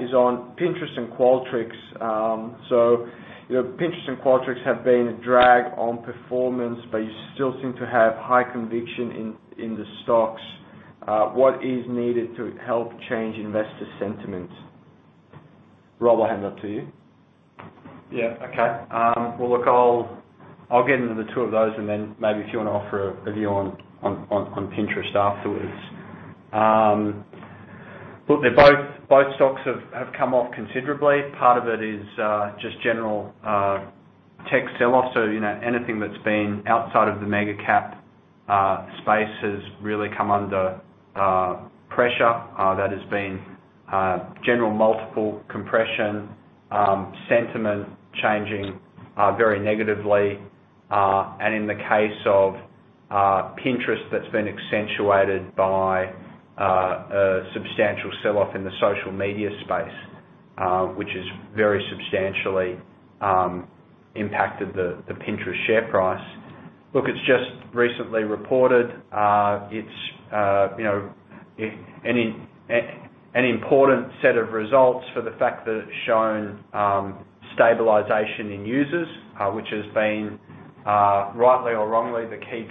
is on Pinterest and Qualtrics. You know, Pinterest and Qualtrics have been a drag on performance, but you still seem to have high conviction in the stocks. What is needed to help change investor sentiment? Rob, I'll hand that to you. Yeah. Okay. Well, look, I'll get into the two of those and then maybe if you wanna offer a view on Pinterest afterwards. Look, they're both stocks have come off considerably. Part of it is just general tech selloff. You know, anything that's been outside of the mega cap space has really come under pressure. That has been general multiple compression, sentiment changing very negatively. In the case of Pinterest, that's been accentuated by a substantial selloff in the social media space, which has very substantially impacted the Pinterest share price. Look, it's just recently reported, its, you know, an important set of results for the fact that it's shown, stabilization in users, which has been, rightly or wrongly, the key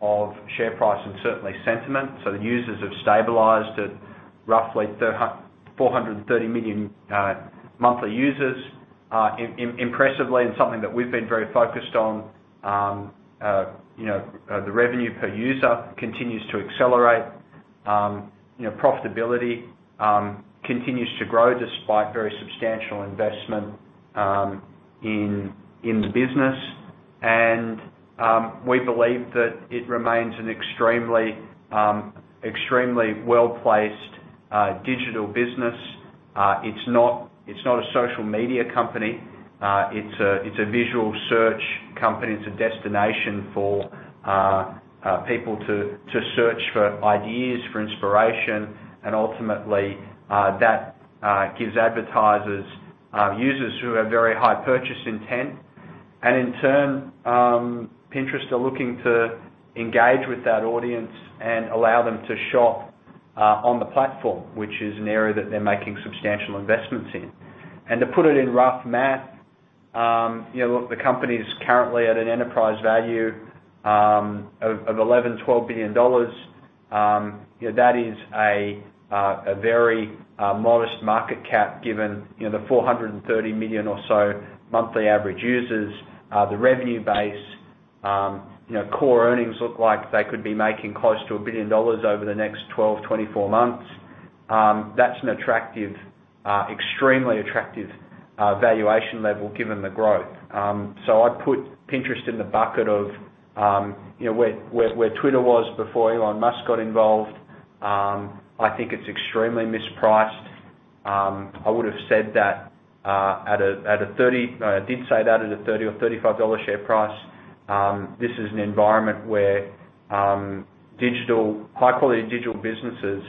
driver of share price and certainly sentiment. The users have stabilized at roughly 430 million monthly users. Impressively, and something that we've been very focused on, you know, the revenue per user continues to accelerate. You know, profitability continues to grow despite very substantial investment in the business. We believe that it remains an extremely well-placed digital business. It's not a social media company. It's a visual search company. It's a destination for people to search for ideas, for inspiration, and ultimately that gives advertisers users who have very high purchase intent. In turn, Pinterest are looking to engage with that audience and allow them to shop on the platform, which is an area that they're making substantial investments in. To put it in rough math, the company's currently at an enterprise value of $11 billion-$12 billion. That is a very modest market cap given the 430 million or so monthly average users, the revenue base, core earnings look like they could be making close to $1 billion over the next 12-24 months. That's an attractive, extremely attractive, valuation level given the growth. So I'd put Pinterest in the bucket of, you know, where Twitter was before Elon Musk got involved. I think it's extremely mispriced. I would've said that at a 30-- No, I did say that at a $30 or $35 share price. This is an environment where high-quality digital businesses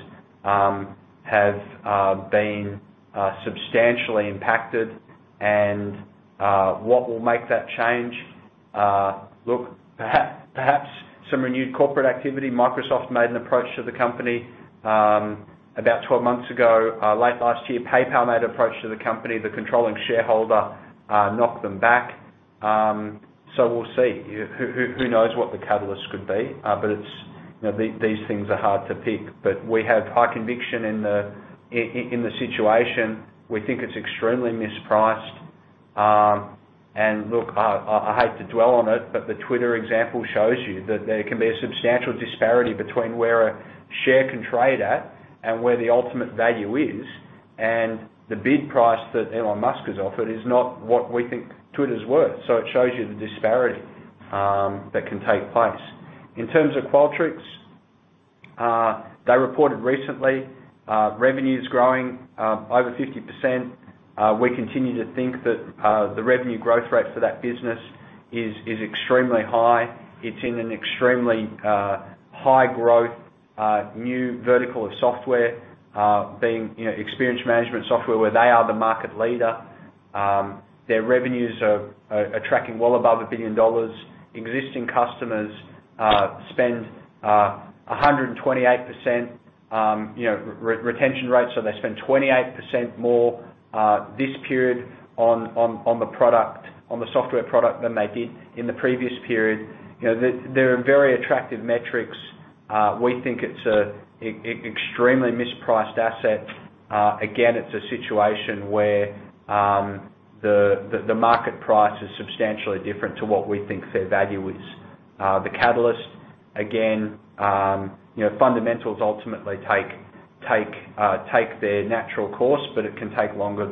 have been substantially impacted. What will make that change? Look, perhaps some renewed corporate activity. Microsoft made an approach to the company about 12 months ago. Late last year, PayPal made an approach to the company. The controlling shareholder knocked them back. We'll see. Who knows what the catalyst could be? It's, you know, these things are hard to pick. We have high conviction in the situation. We think it's extremely mispriced. Look, I hate to dwell on it, but the Twitter example shows you that there can be a substantial disparity between where a share can trade at and where the ultimate value is. The bid price that Elon Musk has offered is not what we think Twitter's worth. It shows you the disparity that can take place. In terms of Qualtrics, they reported recently, revenue is growing over 50%. We continue to think that the revenue growth rate for that business is extremely high. It's in an extremely high growth new vertical of software, being, you know, experience management software, where they are the market leader. Their revenues are tracking well above $1 billion. Existing customers spend 128%, you know, retention rates. They spend 28% more this period on the product, on the software product than they did in the previous period. You know, they're very attractive metrics. We think it's an extremely mispriced asset. Again, it's a situation where the market price is substantially different to what we think fair value is. The catalyst, again, you know, fundamentals ultimately take their natural course, but it can take longer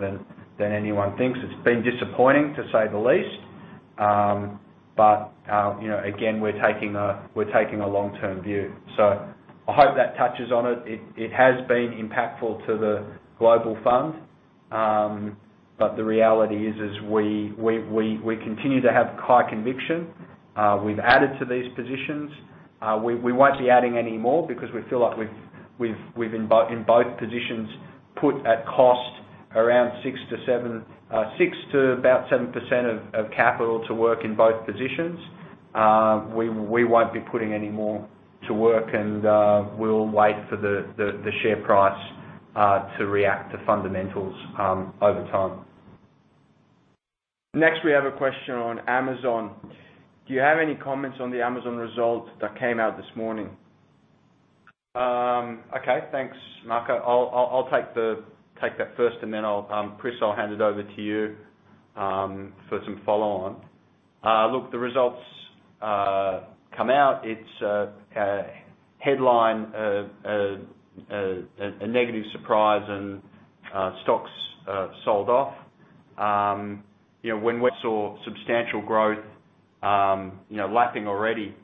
than anyone thinks. It's been disappointing, to say the least. You know, again, we're taking a long-term view. I hope that touches on it. It has been impactful to the Global Fund. The reality is we continue to have high conviction. We've added to these positions. We won't be adding any more because we feel like we've in both positions put at cost around 6%-7% of capital to work in both positions. We won't be putting any more to work and we'll wait for the share price to react to fundamentals over time. Next, we have a question on Amazon. Do you have any comments on the Amazon results that came out this morning? Okay. Thanks, Marco. I'll take that first and then I'll, Chris, hand it over to you for some follow on. Look, the results come out. It's a headline, a negative surprise and stocks sold off. You know, when we saw substantial growth, you know, lapping already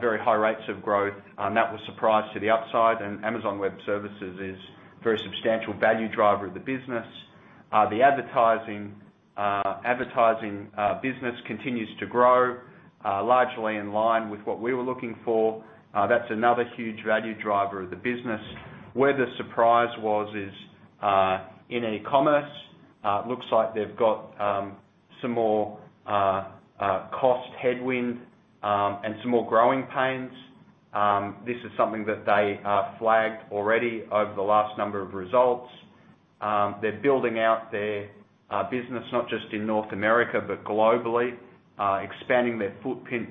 very high rates of growth, that was a surprise to the upside. Amazon Web Services is very substantial value driver of the business. The advertising business continues to grow largely in line with what we were looking for. That's another huge value driver of the business. Where the surprise was is in e-commerce. Looks like they've got some more cost headwind and some more growing pains. This is something that they flagged already over the last number of results. They're building out their business not just in North America, but globally, expanding their footprint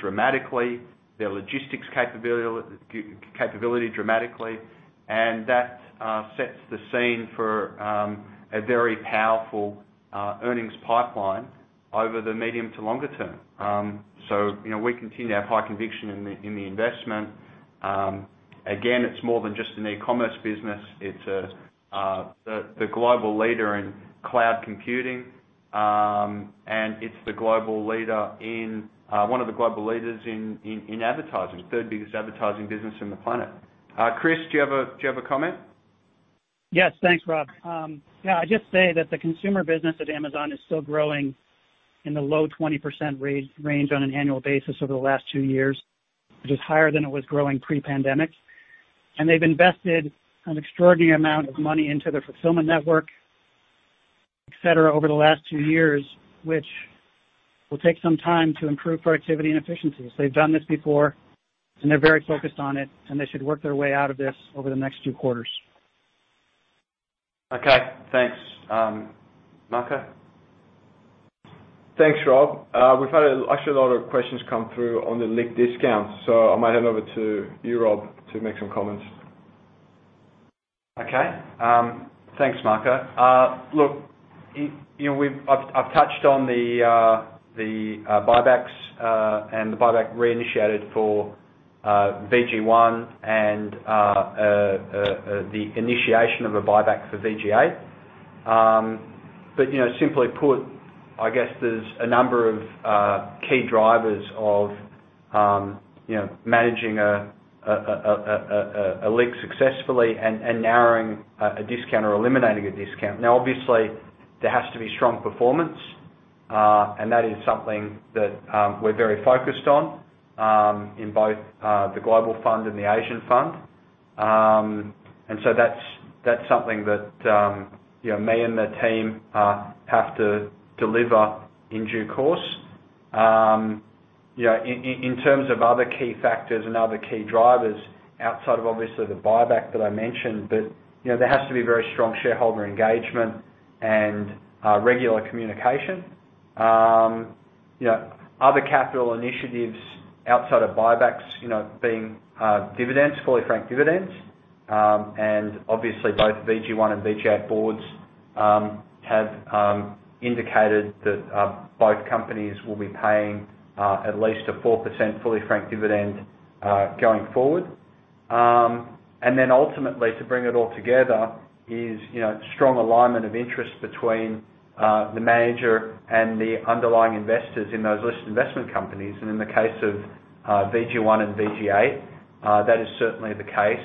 dramatically, their logistics capability dramatically. That sets the scene for a very powerful earnings pipeline over the medium to longer term. You know, we continue to have high conviction in the investment. Again, it's more than just an e-commerce business. It's the global leader in cloud computing. It's one of the global leaders in advertising, third biggest advertising business on the planet. Chris, do you have a comment? Yes. Thanks, Rob. Yeah, I'd just say that the consumer business at Amazon is still growing in the low 20% range on an annual basis over the last two years, which is higher than it was growing pre-pandemic. They've invested an extraordinary amount of money into their fulfillment network, et cetera, over the last two years, which will take some time to improve productivity and efficiencies. They've done this before, and they're very focused on it, and they should work their way out of this over the next two quarters. Okay, thanks. Marco? Thanks, Rob. We've had actually a lot of questions come through on the LIC discount, so I might hand over to you, Rob, to make some comments. Okay. Thanks, Marco. Look, you know, I've touched on the buybacks, and the buyback reinitiated for VG1 and the initiation of a buyback for VG8. You know, simply put, I guess there's a number of key drivers of you know, managing a LIC successfully and narrowing a discount or eliminating a discount. Now, obviously, there has to be strong performance, and that is something that we're very focused on in both the Global Fund and the Asian Fund. That's something that you know, me and the team have to deliver in due course. Yeah, in terms of other key factors and other key drivers outside of obviously the buyback that I mentioned, but you know, there has to be very strong shareholder engagement and regular communication. You know, other capital initiatives outside of buybacks, you know, being dividends, fully franked dividends. Obviously both VG1 and VG8 boards have indicated that both companies will be paying at least a 4% fully franked dividend going forward. Ultimately to bring it all together is you know strong alignment of interest between the manager and the underlying investors in those listed investment companies. In the case of VG1 and VG8, that is certainly the case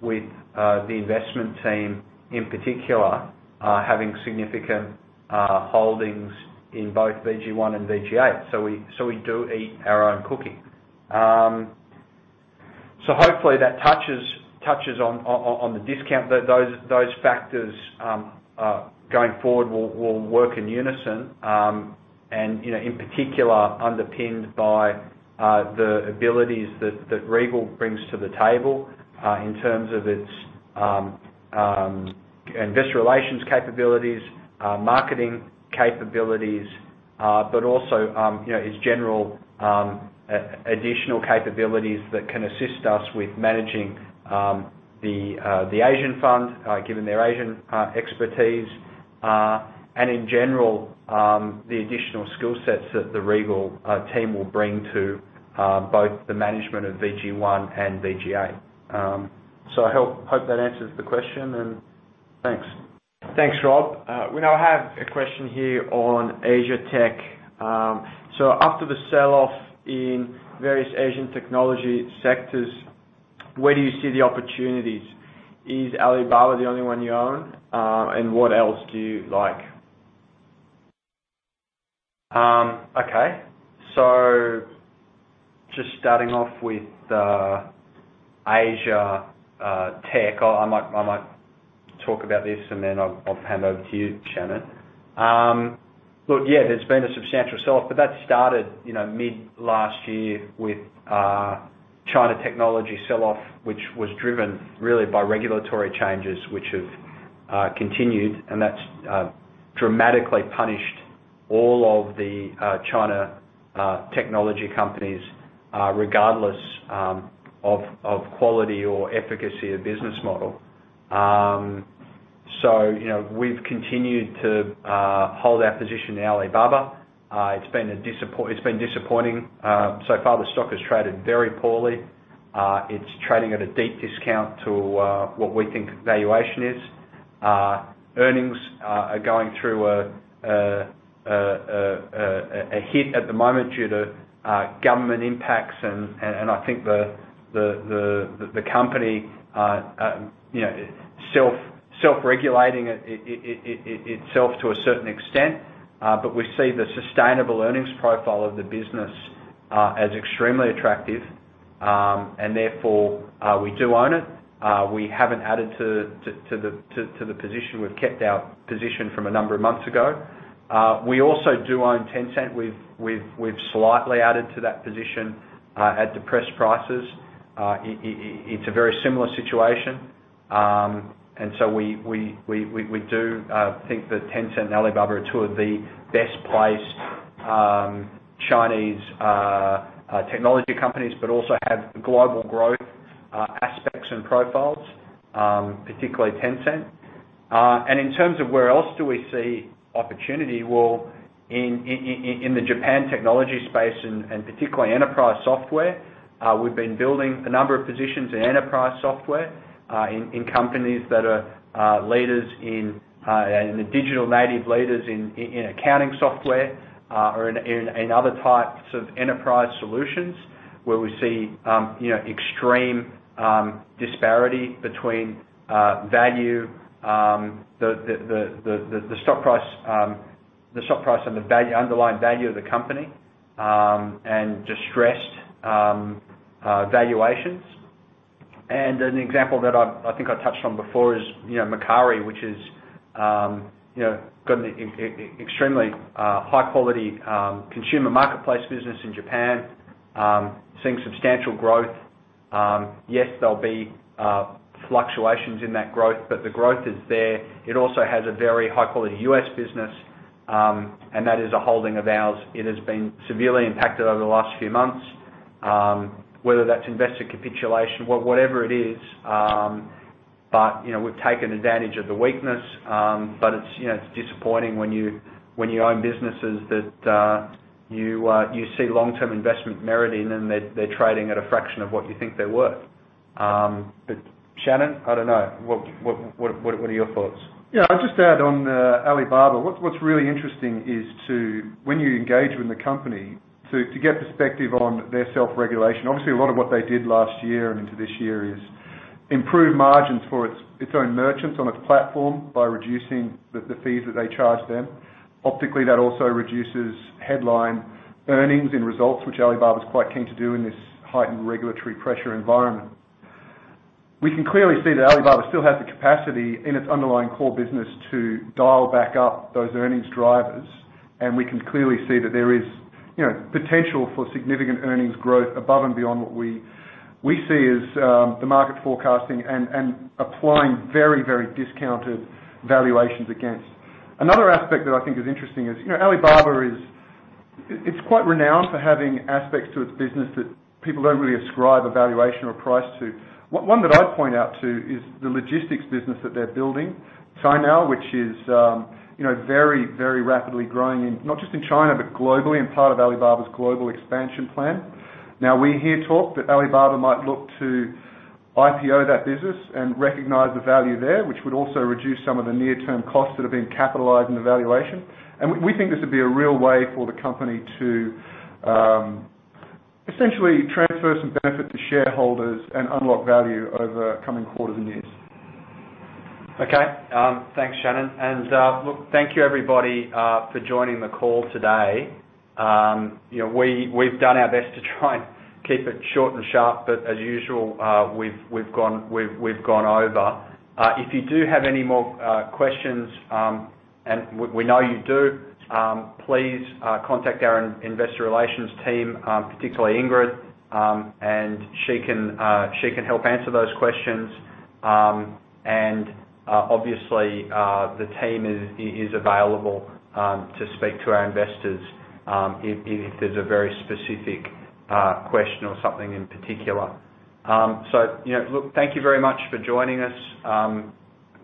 with the investment team, in particular, having significant holdings in both VG1 and VG8. We do eat our own cooking. Hopefully that touches on the discount that those factors going forward will work in unison. You know, in particular underpinned by the abilities that Regal brings to the table in terms of its investor relations capabilities, marketing capabilities, but also you know, its general additional capabilities that can assist us with managing the Asian fund given their Asian expertise. In general, the additional skill sets that the Regal team will bring to both the management of VG1 and VG8. I hope that answers the question, and thanks. Thanks, Rob. We now have a question here on Asian tech. After the sell-off in various Asian technology sectors, where do you see the opportunities? Is Alibaba the only one you own? What else do you like? Okay. Just starting off with Asia tech. I might talk about this and then I'll hand over to you, Shannon. Look, yeah, there's been a substantial sell-off, but that started, you know, mid last year with China technology sell-off, which was driven really by regulatory changes which have continued, and that's dramatically punished all of the China technology companies regardless of quality or efficacy of business model. You know, we've continued to hold our position in Alibaba. It's been disappointing. So far the stock has traded very poorly. It's trading at a deep discount to what we think valuation is. Earnings are going through a hit at the moment due to government impacts, and I think the company, you know, self-regulating itself to a certain extent. But we see the sustainable earnings profile of the business as extremely attractive. Therefore we do own it. We haven't added to the position. We've kept our position from a number of months ago. We also do own Tencent. We've slightly added to that position at depressed prices. It's a very similar situation. We do think that Tencent and Alibaba are two of the best placed Chinese technology companies, but also have global growth aspects and profiles, particularly Tencent. In terms of where else do we see opportunity? Well, in the Japan technology space and particularly enterprise software, we've been building a number of positions in enterprise software, in companies that are leaders in the digital native leaders in accounting software, or in other types of enterprise solutions where we see, you know, extreme disparity between the stock price and the underlying value of the company, and distressed valuations. An example that I think I touched on before is, you know, Mercari, which is, you know, got an extremely high-quality consumer marketplace business in Japan, seeing substantial growth. Yes, there'll be fluctuations in that growth, but the growth is there. It also has a very high-quality U.S. business, and that is a holding of ours. It has been severely impacted over the last few months. Whether that's investor capitulation, whatever it is, you know, we've taken advantage of the weakness. You know, it's disappointing when you own businesses that you see long-term investment merit in them. They're trading at a fraction of what you think they're worth. Shannon, I don't know, what are your thoughts? Yeah, I'll just add on, Alibaba. What's really interesting is, when you engage with the company, to get perspective on their self-regulation. Obviously, a lot of what they did last year and into this year is improve margins for its own merchants on its platform by reducing the fees that they charge them. Optically, that also reduces headline earnings and results, which Alibaba's quite keen to do in this heightened regulatory pressure environment. We can clearly see that Alibaba still has the capacity in its underlying core business to dial back up those earnings drivers, and we can clearly see that there is, you know, potential for significant earnings growth above and beyond what we see as the market forecasting and applying very discounted valuations against. Another aspect that I think is interesting is, you know, Alibaba is... It's quite renowned for having aspects to its business that people don't really ascribe a valuation or price to. One that I point out to is the logistics business that they're building, Cainiao, which is, you know, very, very rapidly growing in, not just in China, but globally and part of Alibaba's global expansion plan. Now, we hear talk that Alibaba might look to IPO that business and recognize the value there, which would also reduce some of the near-term costs that have been capitalized in the valuation. We think this would be a real way for the company to, essentially transfer some benefit to shareholders and unlock value over coming quarters and years. Okay. Thanks, Shannon. Look, thank you everybody for joining the call today. You know, we've done our best to try and keep it short and sharp, but as usual, we've gone over. If you do have any more questions, and we know you do, please contact our investor relations team, particularly Ingrid, and she can help answer those questions. Obviously, the team is available to speak to our investors, if there's a very specific question or something in particular. You know, look, thank you very much for joining us.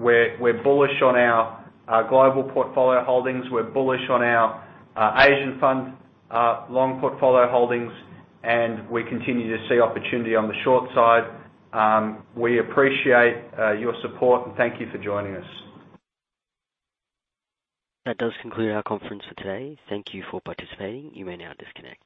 We're bullish on our global portfolio holdings. We're bullish on our Asian fund long portfolio holdings, and we continue to see opportunity on the short side. We appreciate your support, and thank you for joining us. That does conclude our conference for today. Thank you for participating. You may now disconnect.